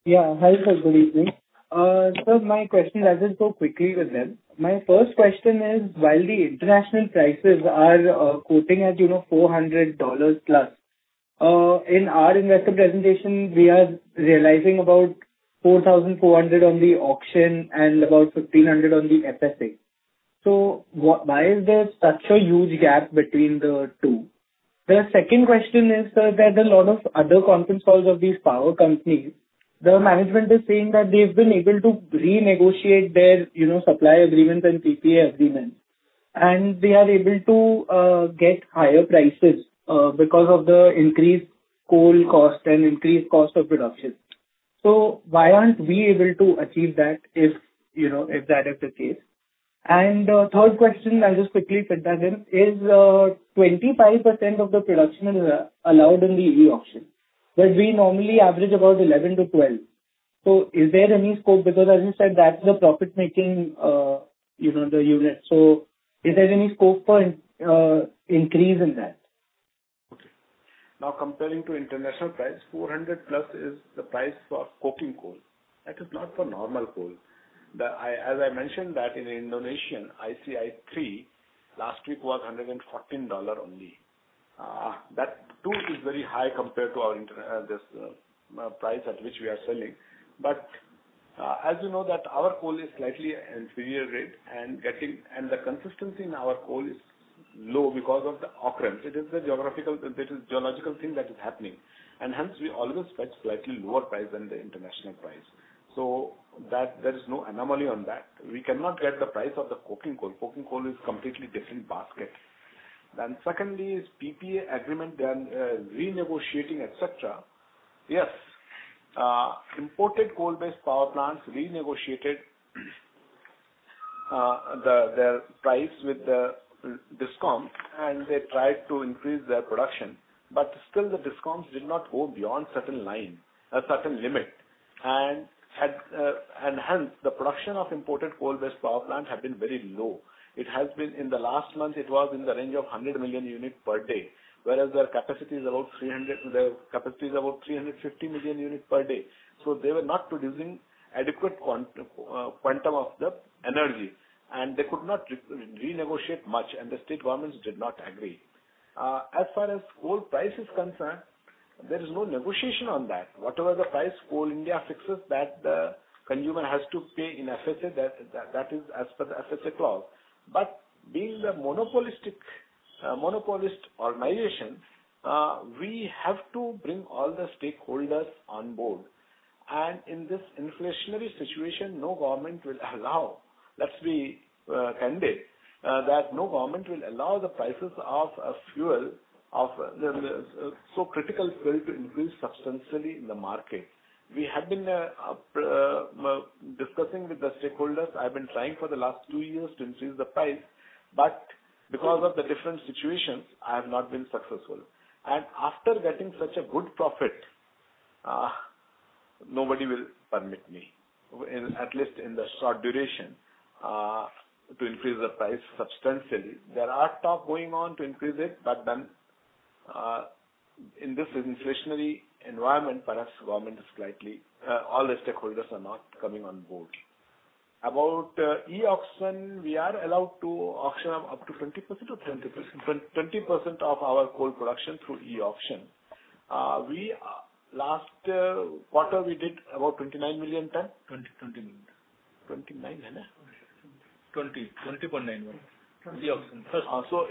Yeah. Hi, sir. Good evening. Sir, my question, I'll just go quickly with them. My first question is, while the international prices are quoting at, you know, $400+, in our investor presentation, we are realizing about 4,400 on the auction and about 1,500 on the FSA. Why is there such a huge gap between the two? The second question is, sir, there are a lot of other conference calls of these power companies. The management is saying that they've been able to renegotiate their, you know, supply agreements and PPA agreements. They are able to get higher prices because of the increased coal cost and increased cost of production. Why aren't we able to achieve that if, you know, if that is the case? Third question, I'll just quickly fit that in, is 25% of the production is allowed in the e-auction, but we normally average about 11%-12%. Is there any scope? Because as you said, that's the profit-making, you know, the unit. Is there any scope for an increase in that? Now, comparing to international price, $400+ is the price for coking coal. That is not for normal coal. As I mentioned that in Indonesian, ICI 3 last week was $114 only. That too is very high compared to our price at which we are selling. As you know that our coal is slightly inferior grade and the consistency in our coal is low because of the occurrence. It is the geological thing that is happening. Hence, we always fetch slightly lower price than the international price. That, there is no anomaly on that. We cannot get the price of the coking coal. Coking coal is completely different basket. Secondly is PPA agreement, then renegotiating, et cetera. Yes, imported coal-based power plants renegotiated the price with the discom, and they tried to increase their production. Still the discoms did not go beyond certain line, a certain limit. Hence, the production of imported coal-based power plant have been very low. It has been. In the last month, it was in the range of 100 million units per day, whereas their capacity is about 300, their capacity is about 350 million units per day. They were not producing adequate quantum of the energy, and they could not renegotiate much, and the state governments did not agree. As far as coal price is concerned, there is no negotiation on that. Whatever the price Coal India fixes that the consumer has to pay in FSA, that is as per the FSA clause. Being the monopolistic monopolist organization, we have to bring all the stakeholders on board. In this inflationary situation, no government will allow. Let's be candid that no government will allow the prices of a fuel, of so critical fuel to increase substantially in the market. We have been discussing with the stakeholders. I've been trying for the last two years to increase the price. Because of the different situations, I have not been successful. After getting such a good profit, nobody will permit me, in at least the short duration, to increase the price substantially. There are talk going on to increase it, but then, in this inflationary environment, perhaps government is slightly. All the stakeholders are not coming on board. About e-auction, we are allowed to auction up to 20% or 10%? 20%. 20% of our coal production through e-auction. Last quarter we did about 29 million tons. INR 20 million. 29? 20.9 million. E-auction.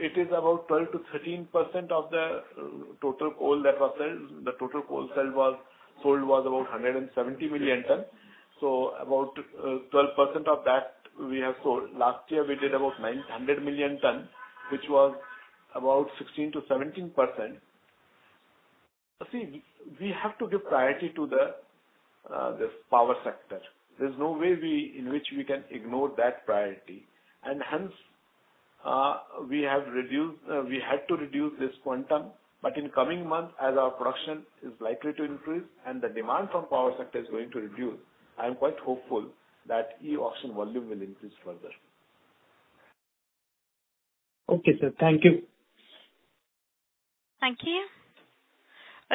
It is about 12%-13% of the total coal that was sold. The total coal sold was about 170 million tons. About 12% of that we have sold. Last year, we did about 900 million tons, which was about 16%-17%. We have to give priority to this power sector. There's no way in which we can ignore that priority. Hence, we had to reduce this quantum. In coming months, as our production is likely to increase and the demand from power sector is going to reduce, I am quite hopeful that e-auction volume will increase further. Okay, sir. Thank you. Thank you.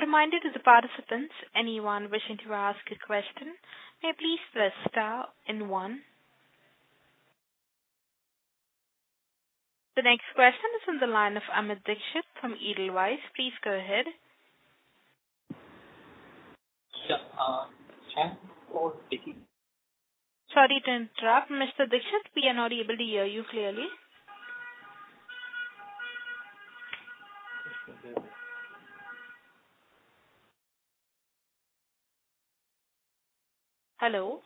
A reminder to the participants, anyone wishing to ask a question, may please press star and one. The next question is on the line of Amit Dixit from Edelweiss. Please go ahead. Yeah, thank you. Sorry to interrupt, Mr. Dixit. We are not able to hear you clearly. Hello.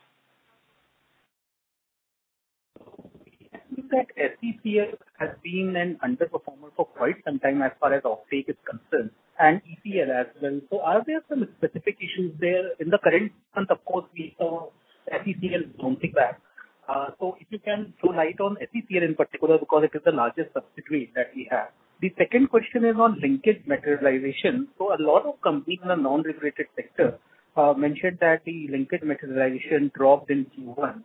It seems that SECL has been an underperformer for quite some time as far as offtake is concerned, and ECL as well. Are there some specific issues there in the current month? Of course, we saw SECL bouncing back. If you can throw light on SECL in particular because it is the largest subsidiary that we have. The second question is on linkage materialization. A lot of companies in the non-regulated sector mentioned that the linkage materialization dropped in Q1.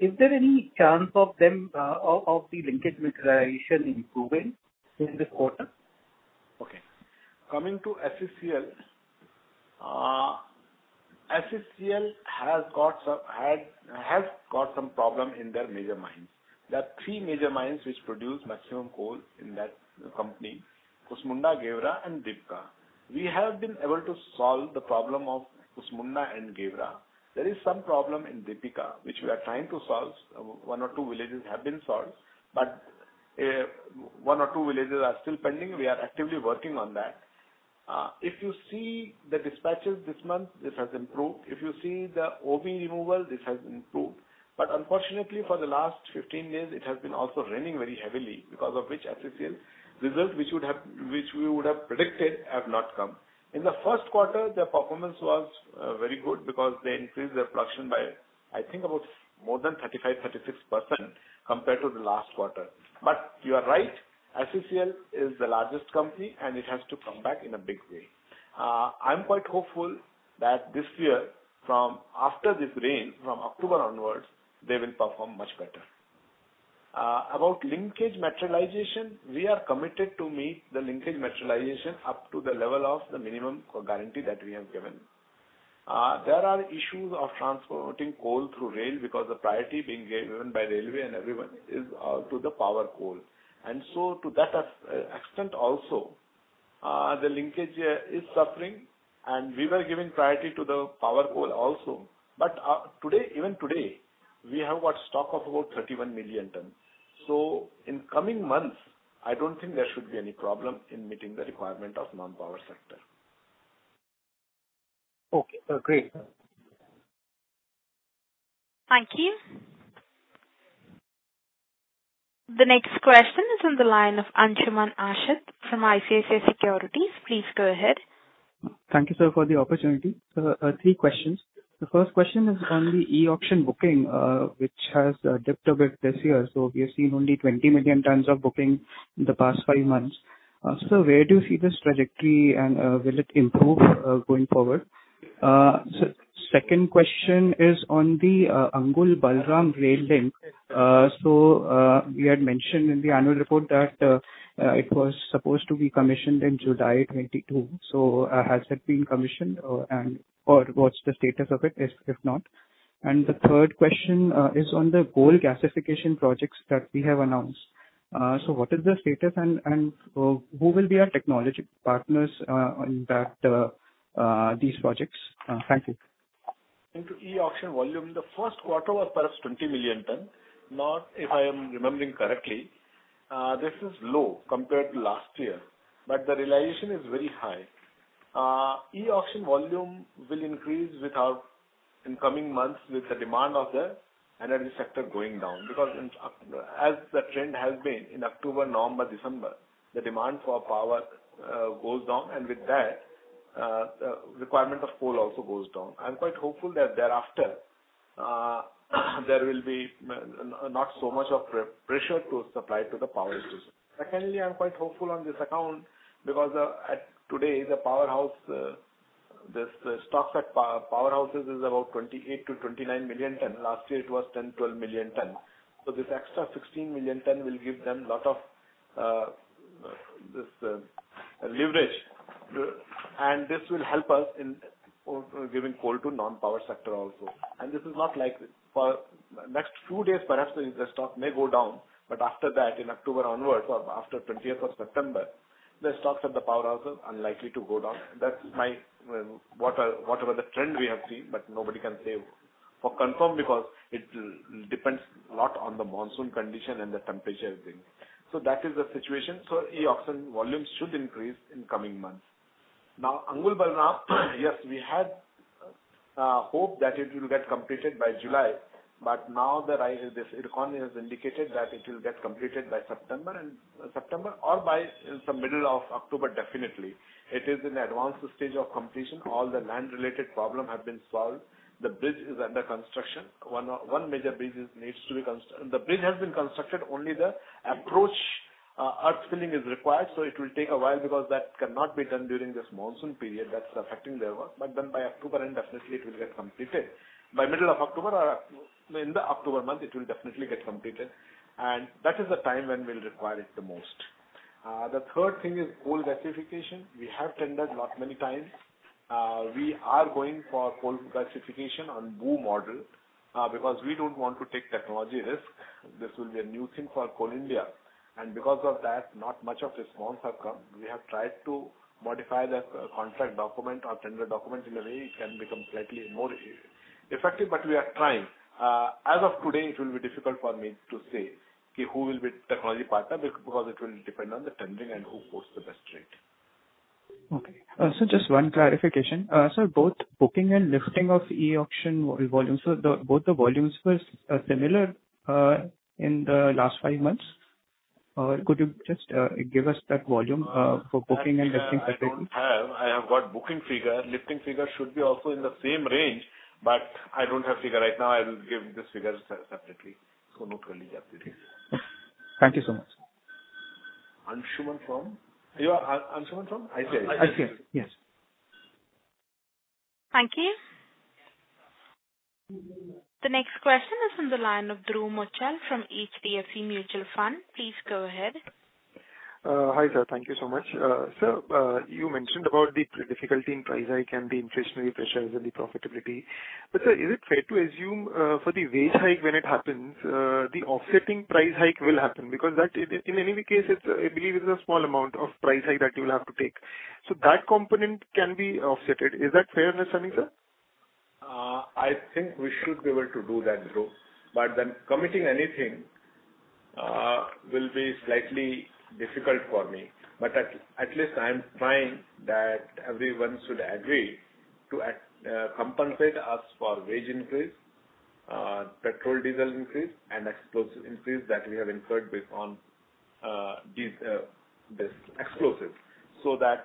Is there any chance of the linkage materialization improving in this quarter? Okay. Coming to SECL. SECL has got some problem in their major mines. There are three major mines which produce maximum coal in that company, Kusmunda, Gewra, and Dipka. We have been able to solve the problem of Kusmunda and Gewra. There is some problem in Dipka, which we are trying to solve. One or two villages have been solved, but one or two villages are still pending. We are actively working on that. If you see the dispatches this month, this has improved. If you see the OB removal, this has improved. But unfortunately, for the last 15 days, it has been also raining very heavily because of which SECL results which we would have predicted have not come. In the first quarter, their performance was very good because they increased their production by, I think, about more than 35, 36% compared to the last quarter. You are right, SECL is the largest company, and it has to come back in a big way. I'm quite hopeful that this year from after this rain, from October onwards, they will perform much better. About linkage materialization, we are committed to meet the linkage materialization up to the level of the minimum guarantee that we have given. There are issues of transporting coal through rail because the priority being given by railway and everyone is to the power coal. To that extent also, the linkage is suffering. We were giving priority to the power coal also. today, even today, we have got stock of about 31 million tons. In coming months, I don't think there should be any problem in meeting the requirement of non-power sector. Okay. Great. Thank you. The next question is on the line of Ansuman Deb from ICICI Securities. Please go ahead. Thank you, sir, for the opportunity. Three questions. The first question is on the e-auction booking, which has dipped a bit this year. We have seen only 20 million tons of booking in the past five months. Where do you see this trajectory and will it improve going forward? Second question is on the Angul-Balram rail link. You had mentioned in the annual report that it was supposed to be commissioned in July 2022. Has it been commissioned and/or what's the status of it if not? The third question is on the coal gasification projects that we have announced. What is the status and who will be our technology partners on these projects? Thank you. In the e-auction volume, the first quarter was perhaps 20 million tons. Now, if I am remembering correctly, this is low compared to last year, but the realization is very high. E-auction volume will increase in coming months with the demand of the energy sector going down. Because, as the trend has been in October, November, December, the demand for power goes down, and with that, requirement of coal also goes down. I'm quite hopeful that thereafter, there will be not so much pressure to supply to the power station. Secondly, I'm quite hopeful on this account because, today the powerhouses, the stocks at powerhouses is about 28-29 million tons. Last year it was 10-12 million tons. So this extra 16 million tons will give them lot of leverage. This will help us in giving coal to non-power sector also. This is not like for next few days, perhaps the stock may go down, but after that, in October onwards or after twentieth of September, the stocks at the powerhouses are unlikely to go down. That's my whatever the trend we have seen, but nobody can say for sure because it depends a lot on the monsoon condition and the temperature thing. That is the situation. E-auction volumes should increase in coming months. Now, Angul-Balram, yes, we had hope that it will get completed by July, but now IRCON has indicated that it will get completed by September or by some middle of October, definitely. It is in advanced stage of completion. All the land related problems have been solved. The bridge is under construction. The bridge has been constructed, only the approach, earth filling is required. It will take a while because that cannot be done during this monsoon period. That's affecting their work. By October end, definitely it will get completed. By middle of October or in the October month, it will definitely get completed. That is the time when we'll require it the most. The third thing is coal gasification. We have tendered not many times. We are going for coal gasification on BOO model, because we don't want to take technology risk. This will be a new thing for Coal India, and because of that, not much of response have come. We have tried to modify the contract document or tender document in a way it can become slightly more effective, but we are trying. As of today, it will be difficult for me to say, okay, who will be technology partner because it will depend on the tendering and who quotes the best rate. Okay. Just one clarification. Sir, both booking and lifting of e-auction volumes. Both the volumes were similar in the last five months? Could you just give us that volume for booking and lifting separately? That, I don't have. I have got booking figure. Lifting figure should be also in the same range, but I don't have figure right now. I will give these figures separately. Thank you so much. Ansuman from? You are Ansuman from ICICI? ICICI, yes. Thank you. The next question is from the line of Dhruv Muchhal from HDFC Mutual Fund. Please go ahead. Hi, sir. Thank you so much. Sir, you mentioned about the difficulty in price hike and the inflationary pressures and the profitability. Sir, is it fair to assume for the wage hike when it happens, the offsetting price hike will happen? Because that in any case, it's I believe it's a small amount of price hike that you'll have to take. That component can be offset. Is that fair assumption, sir? I think we should be able to do that, Dhruv. Committing anything will be slightly difficult for me. At least I'm trying that everyone should agree to compensate us for wage increase, petrol, diesel increase and explosives increase that we have incurred based on this explosives. So that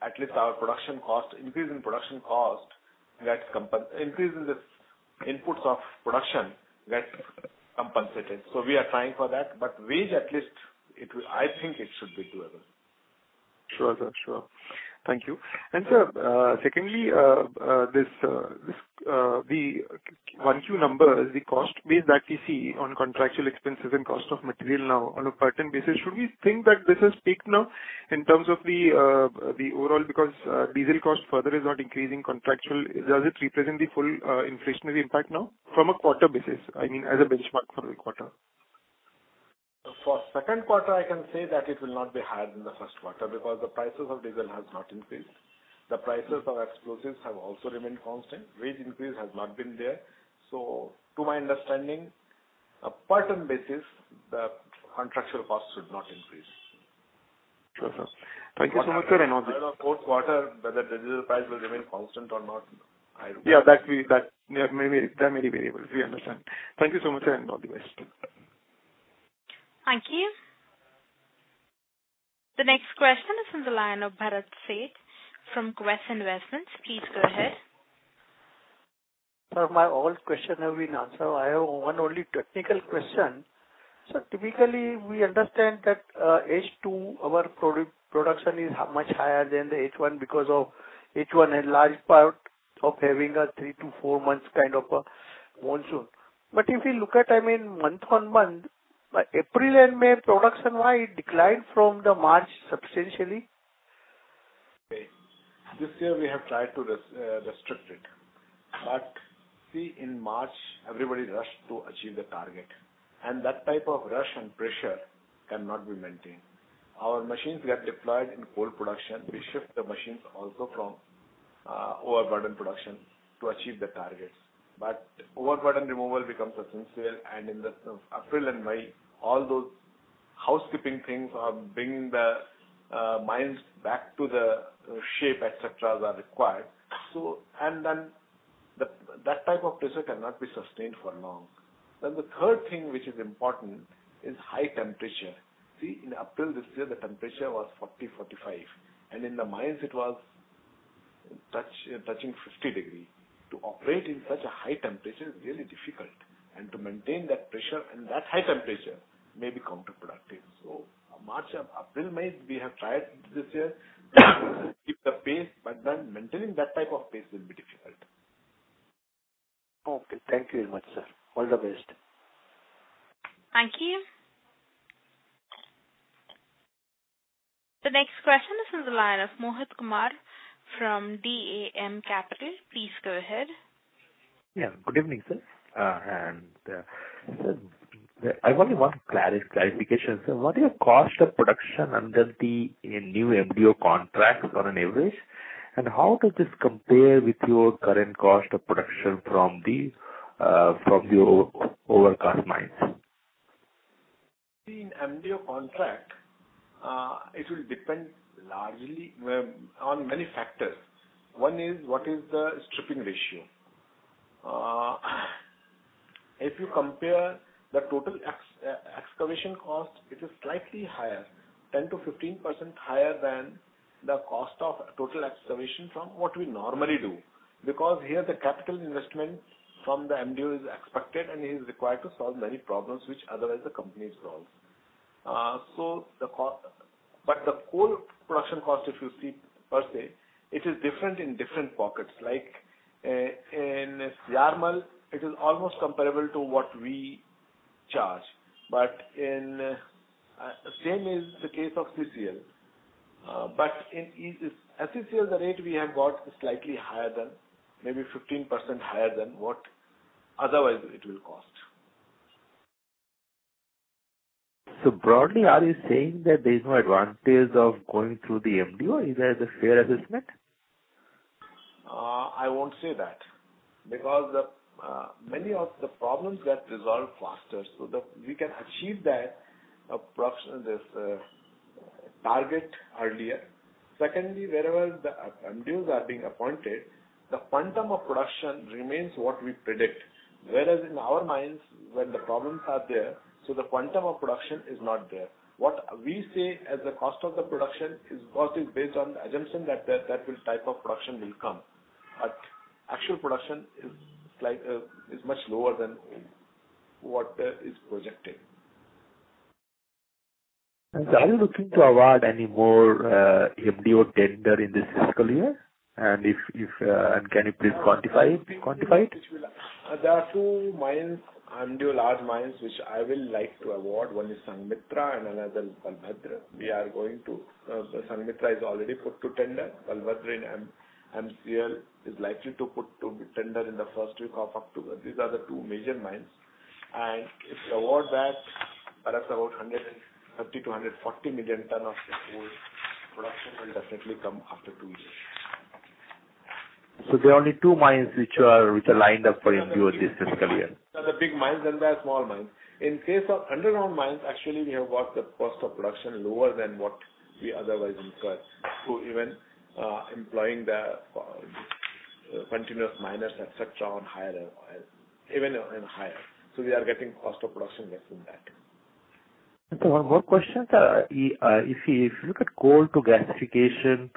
at least the increase in the inputs of production gets compensated. We are trying for that. I think it should be doable. Sure, sir. Sure. Thank you. Sir, this, the IQ number is the cost base that we see on contractual expenses and cost of material now on a quarter basis. Should we think that this has peaked now in terms of the overall because diesel cost further is not increasing contractual. Does it represent the full inflationary impact now from a quarter basis? I mean, as a benchmark for the quarter. For second quarter, I can say that it will not be higher than the first quarter because the prices of diesel has not increased. The prices of explosives have also remained constant. Wage increase has not been there. To my understanding, a quarter basis, the contractual cost should not increase. Sure, sir. Thank you so much, sir. All the best. Third or fourth quarter, whether the diesel price will remain constant or not, I don't know. That may be variable. We understand. Thank you so much, sir, and all the best. Thank you. The next question is from the line of Bharat Sheth from Quest Investment Advisors. Please go ahead. Sir, my all question have been answered. I have one only technical question. Sir, typically, we understand that, H2 our production is much higher than the H1 because of H1 had large part of having a three to four months kind of a monsoon. If you look at, I mean, month-on-month, April and May production why it declined from the March substantially? This year we have tried to restrict it. See, in March, everybody rushed to achieve the target, and that type of rush and pressure cannot be maintained. Our machines were deployed in coal production. We shift the machines also from overburden production to achieve the targets. Overburden removal becomes essential, and in April and May, all those housekeeping things are bringing the mines back to the shape, et cetera, are required. That type of pressure cannot be sustained for long. The third thing which is important is high temperature. See, in April this year the temperature was 40-45 degrees, and in the mines it was touching 50 degrees. To operate in such a high temperature is really difficult, and to maintain that pressure in that high temperature may be counterproductive. March, April, May, we have tried this year to keep the pace, but then maintaining that type of pace will be difficult. Okay. Thank you very much, sir. All the best. Thank you. The next question is from the line of Mohit Kumar from DAM Capital. Please go ahead. Yeah. Good evening, sir. Sir, I only want clarification. What is your cost of production under the new MDO contract on an average, and how does this compare with your current cost of production from your opencast mines? See, in MDO contract, it will depend largely on many factors. One is what is the stripping ratio. If you compare the total excavation cost, it is slightly higher, 10%-15% higher than the cost of total excavation from what we normally do. Because here the capital investment from the MDO is expected and is required to solve many problems which otherwise the company solves. The coal production cost, if you see per se, it is different in different pockets. Like, in Siarmal, it is almost comparable to what we charge. Same is the case of CCL. In CCL, the rate we have got is slightly higher than, maybe 15% higher than what otherwise it will cost. Broadly, are you saying that there is no advantage of going through the MDO? Is that a fair assessment? I won't say that because many of the problems get resolved faster so that we can achieve that production this target earlier. Secondly, wherever the MDOs are being appointed, the quantum of production remains what we predict. Whereas in our mines, when the problems are there, so the quantum of production is not there. What we say as the cost of the production is, cost is based on the assumption that that type of production will come, but actual production is slightly much lower than what is projected. Are you looking to award any more MDO tender in this fiscal year? Can you please quantify it? There are two mines, MDO large mines, which I will like to award. One is Sanmitra and another Kalbhadra. We are going to the Sanmitra i is already put to tender. Kalbhadra in MCL is likely to put to tender in the first week of October. These are the two major mines. If we award that, perhaps about 130-140 million tons of coal production will definitely come after two years. There are only two mines which are lined up for MDO this fiscal year? There are the big mines, then there are small mines. In case of underground mines, actually we have got the cost of production lower than what we otherwise incur to even employing continuous miners, et cetera, on higher, even in higher. We are getting cost of production less than that. One more question, sir. If you look at coal gasification,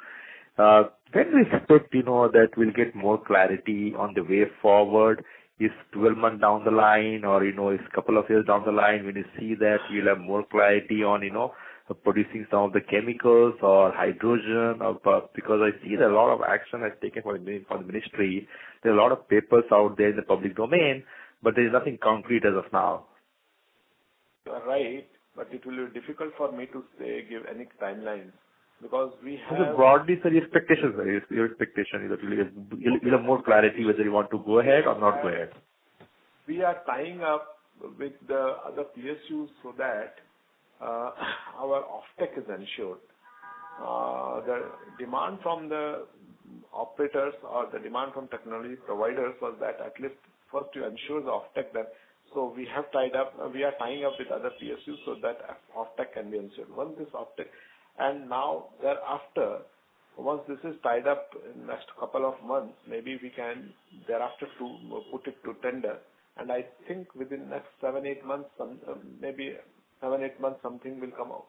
when we expect, you know, that we'll get more clarity on the way forward? Is 12 months down the line or, you know, is a couple of years down the line when you see that you'll have more clarity on, you know, producing some of the chemicals or hydrogen? Because I see that a lot of action has been taken by the ministry. There are a lot of papers out there in the public domain, but there is nothing concrete as of now. You are right, but it will be difficult for me to say, give any timeline because we have. Just broadly, sir, the expectations. Your expectation is that we'll get more clarity whether you want to go ahead or not go ahead. We are tying up with the other PSUs so that our offtake is ensured. We have tied up. We are tying up with other PSUs so that offtake can be ensured. Once this is tied up in next couple of months, maybe we can thereafter to put it to tender. I think within next seven to eight months, something will come out.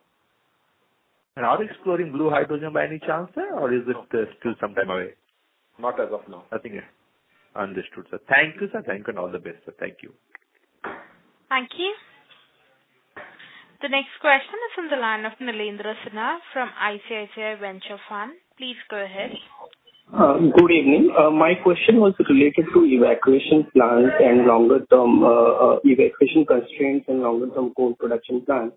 Are you exploring blue hydrogen by any chance, sir? Or is it still some time away? Not as of now. Nothing yet. Understood, sir. Thank you, sir. Thank you and all the best, sir. Thank you. Thank you. The next question is from the line of Nilendra Sinha from ICICI Venture. Please go ahead. Good evening. My question was related to evacuation plans and longer term evacuation constraints and longer term coal production plans.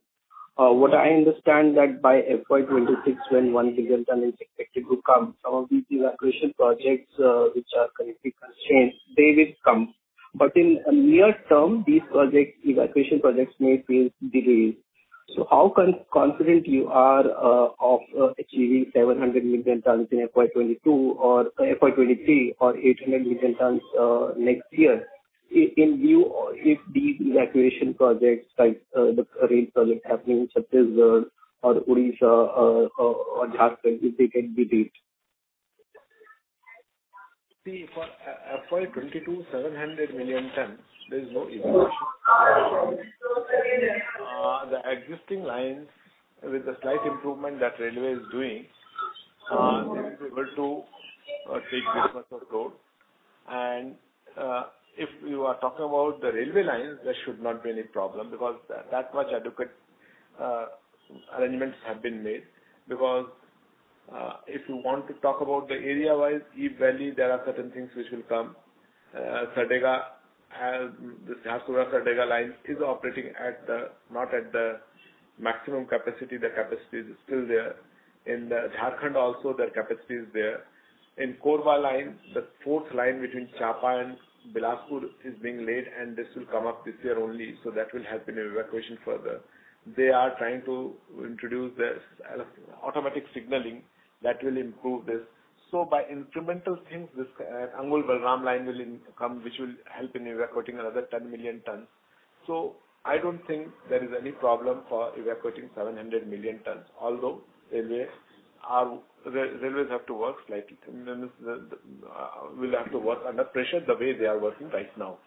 What I understand that by FY 2026 when 1 billion ton is expected to come, some of these evacuation projects, which are currently constrained, they will come. In near term, these projects, evacuation projects may face delays. How confident you are of achieving 700 million tons in FY 2022 or FY 2023 or 800 million tons next year in view or if these evacuation projects like the current project happening in Chhattisgarh or Odisha or Jharkhand, if they get delayed? See, for FY 22, 700 million tons, there is no evacuation. The existing lines with a slight improvement that railway is doing, they will be able to take this much of coal. If you are talking about the railway lines, there should not be any problem because that much adequate arrangements have been made. Because if you want to talk about the area-wise, Ib Valley, there are certain things which will come. Sonnagar has the Jharkhand Sonnagar line is operating at the not at the maximum capacity. The capacity is still there. In the Jharkhand also, the capacity is there. In Korba line, the fourth line between Champa and Bilaspur is being laid, and this will come up this year only. That will help in evacuation further. They are trying to introduce automatic signaling that will improve this. By incremental things, this Angul-Balram line will come, which will help in evacuating another 10 million tons. I don't think there is any problem for evacuating 700 million tons. Although Railways have to work slightly. They will have to work under pressure the way they are working right now.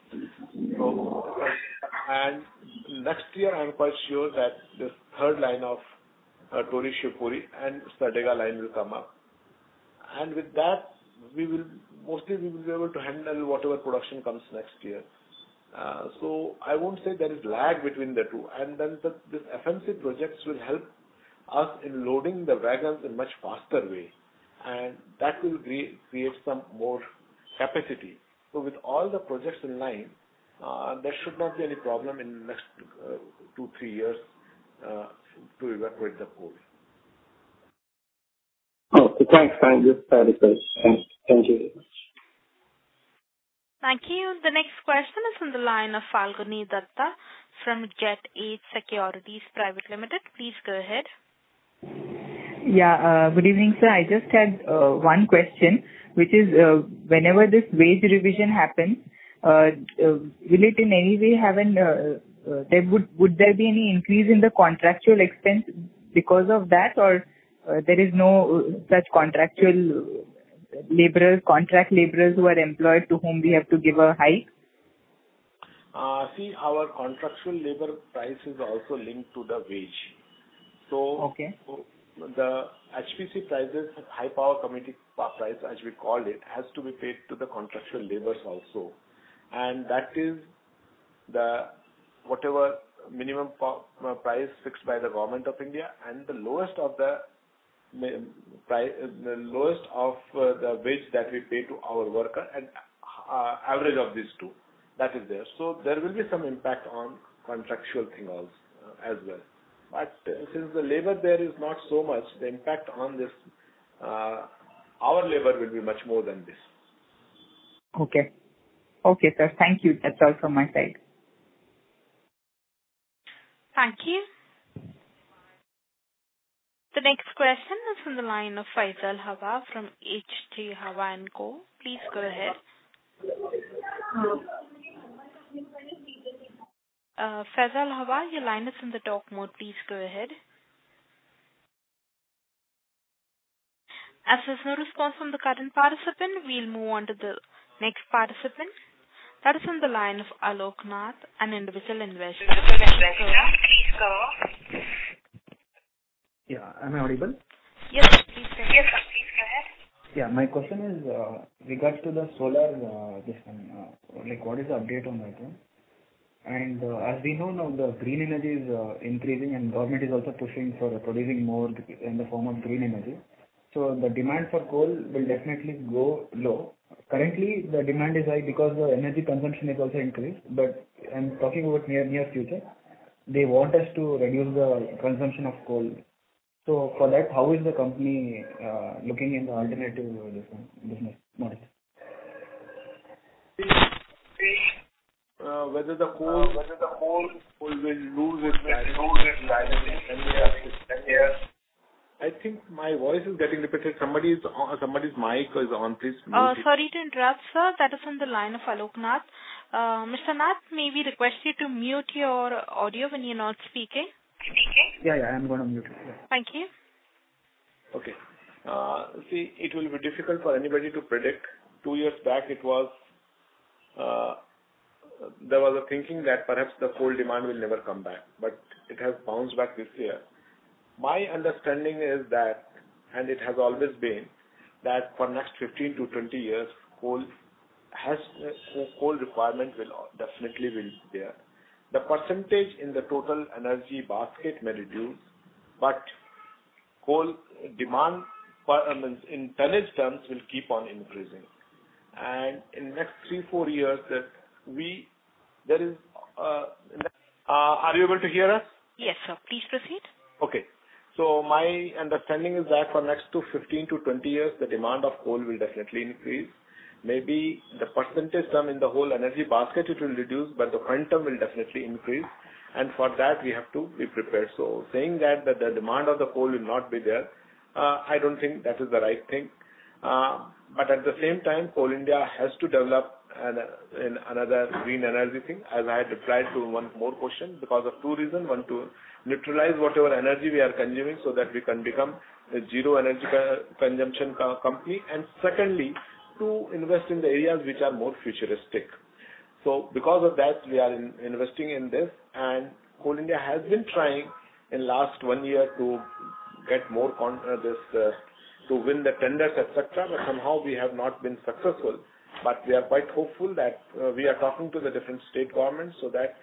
Next year, I'm quite sure that this third line of Tori-Shivpur and Sonnagar line will come up. With that, we will mostly be able to handle whatever production comes next year. I won't say there is lag between the two. These FMC projects will help us in loading the wagons in much faster way, and that will re-create some more capacity. With all the projects in line, there should not be any problem in the next two to three years to evacuate the coal. Okay. Thanks. Thank you for the question. Thank you. Thank you. The next question is on the line of Falguni Dutta from Jet Age Securities Private Limited. Please go ahead. Yeah. Good evening, sir. I just had one question, which is, whenever this wage revision happens, would there be any increase in the contractual expense because of that? Or, there is no such contractual laborers who are employed to whom we have to give a hike? See, our contractual labor price is also linked to the wage. Okay. The HPC prices, High Power Committee price, as we call it, has to be paid to the contractual laborers also. That is whatever minimum price fixed by the Government of India and the lowest of the wage that we pay to our worker, and average of these two. That is there. There will be some impact on contractual things as well. Since the labor there is not so much, the impact on this, our labor will be much more than this. Okay. Okay, sir. Thank you. That's all from my side. Thank you. The next question is from the line of Faisal Hawa from H.G. Hawa & Co. Please go ahead. Faisal Hawa, your line is in the talk mode. Please go ahead. As there's no response from the current participant, we'll move on to the next participant. That is on the line of Alok Nath, an individual investor. Please go. Yeah. Am I audible? Yes. Please go. Yes, sir. Please go ahead. My question is regarding the solar, this one. Like, what is the update on that one? As we know now, the green energy is increasing, and government is also pushing for producing more in the form of green energy. The demand for coal will definitely go low. Currently, the demand is high because the energy consumption is also increased. But I'm talking about near future. They want us to reduce the consumption of coal. For that, how is the company looking into the alternative, this one, business models? See whether the coal will lose its value. I think my voice is getting repeated. Somebody's mic is on. Please mute it. Sorry to interrupt, sir. That is on the line of Alok Nath. Mr. Nath, may we request you to mute your audio when you're not speaking. Yeah. Yeah. I'm gonna mute it. Thank you. Okay. See, it will be difficult for anybody to predict. Two years back, it was, there was a thinking that perhaps the coal demand will never come back, but it has bounced back this year. My understanding is that, and it has always been, that for next 15-20 years, coal requirement will definitely be there. The percentage in the total energy basket may reduce, but coal demand per, I mean, in tonnage terms, will keep on increasing. In next three-four years. Are you able to hear us? Yes, sir. Please proceed. Okay. My understanding is that for the next 15-20 years, the demand of coal will definitely increase. Maybe the percentage term in the whole energy basket, it will reduce, but the quantum will definitely increase. For that we have to be prepared. Saying that the demand of the coal will not be there, I don't think that is the right thing. At the same time, Coal India has to develop another green energy thing, as I had replied to one more question. Because of two reason. One, to neutralize whatever energy we are consuming so that we can become a zero energy consumption company. Secondly, to invest in the areas which are more futuristic. Because of that, we are investing in this. Coal India has been trying in last one year to get more contracts to win the tenders, et cetera, but somehow we have not been successful. We are quite hopeful that we are talking to the different state governments so that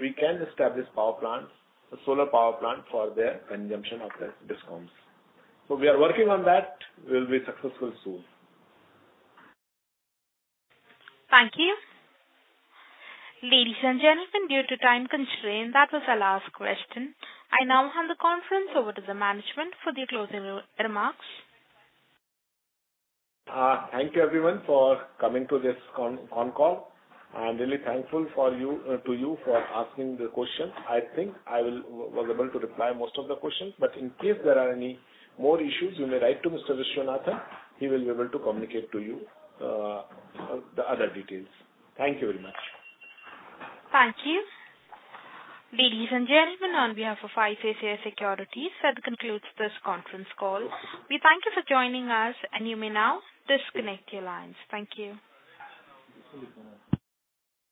we can establish power plants, solar power plant for their consumption of the discoms. We are working on that. We'll be successful soon. Thank you. Ladies and gentlemen, due to time constraint, that was our last question. I now hand the conference over to the management for their closing remarks. Thank you everyone for coming to this conference call. I'm really thankful to you for asking the questions. I think I was able to reply most of the questions. In case there are any more issues, you may write to Mr. Viswanathan. He will be able to communicate to you the other details. Thank you very much. Thank you. Ladies and gentlemen, on behalf of ICICI Securities, that concludes this conference call. We thank you for joining us, and you may now disconnect your lines. Thank you.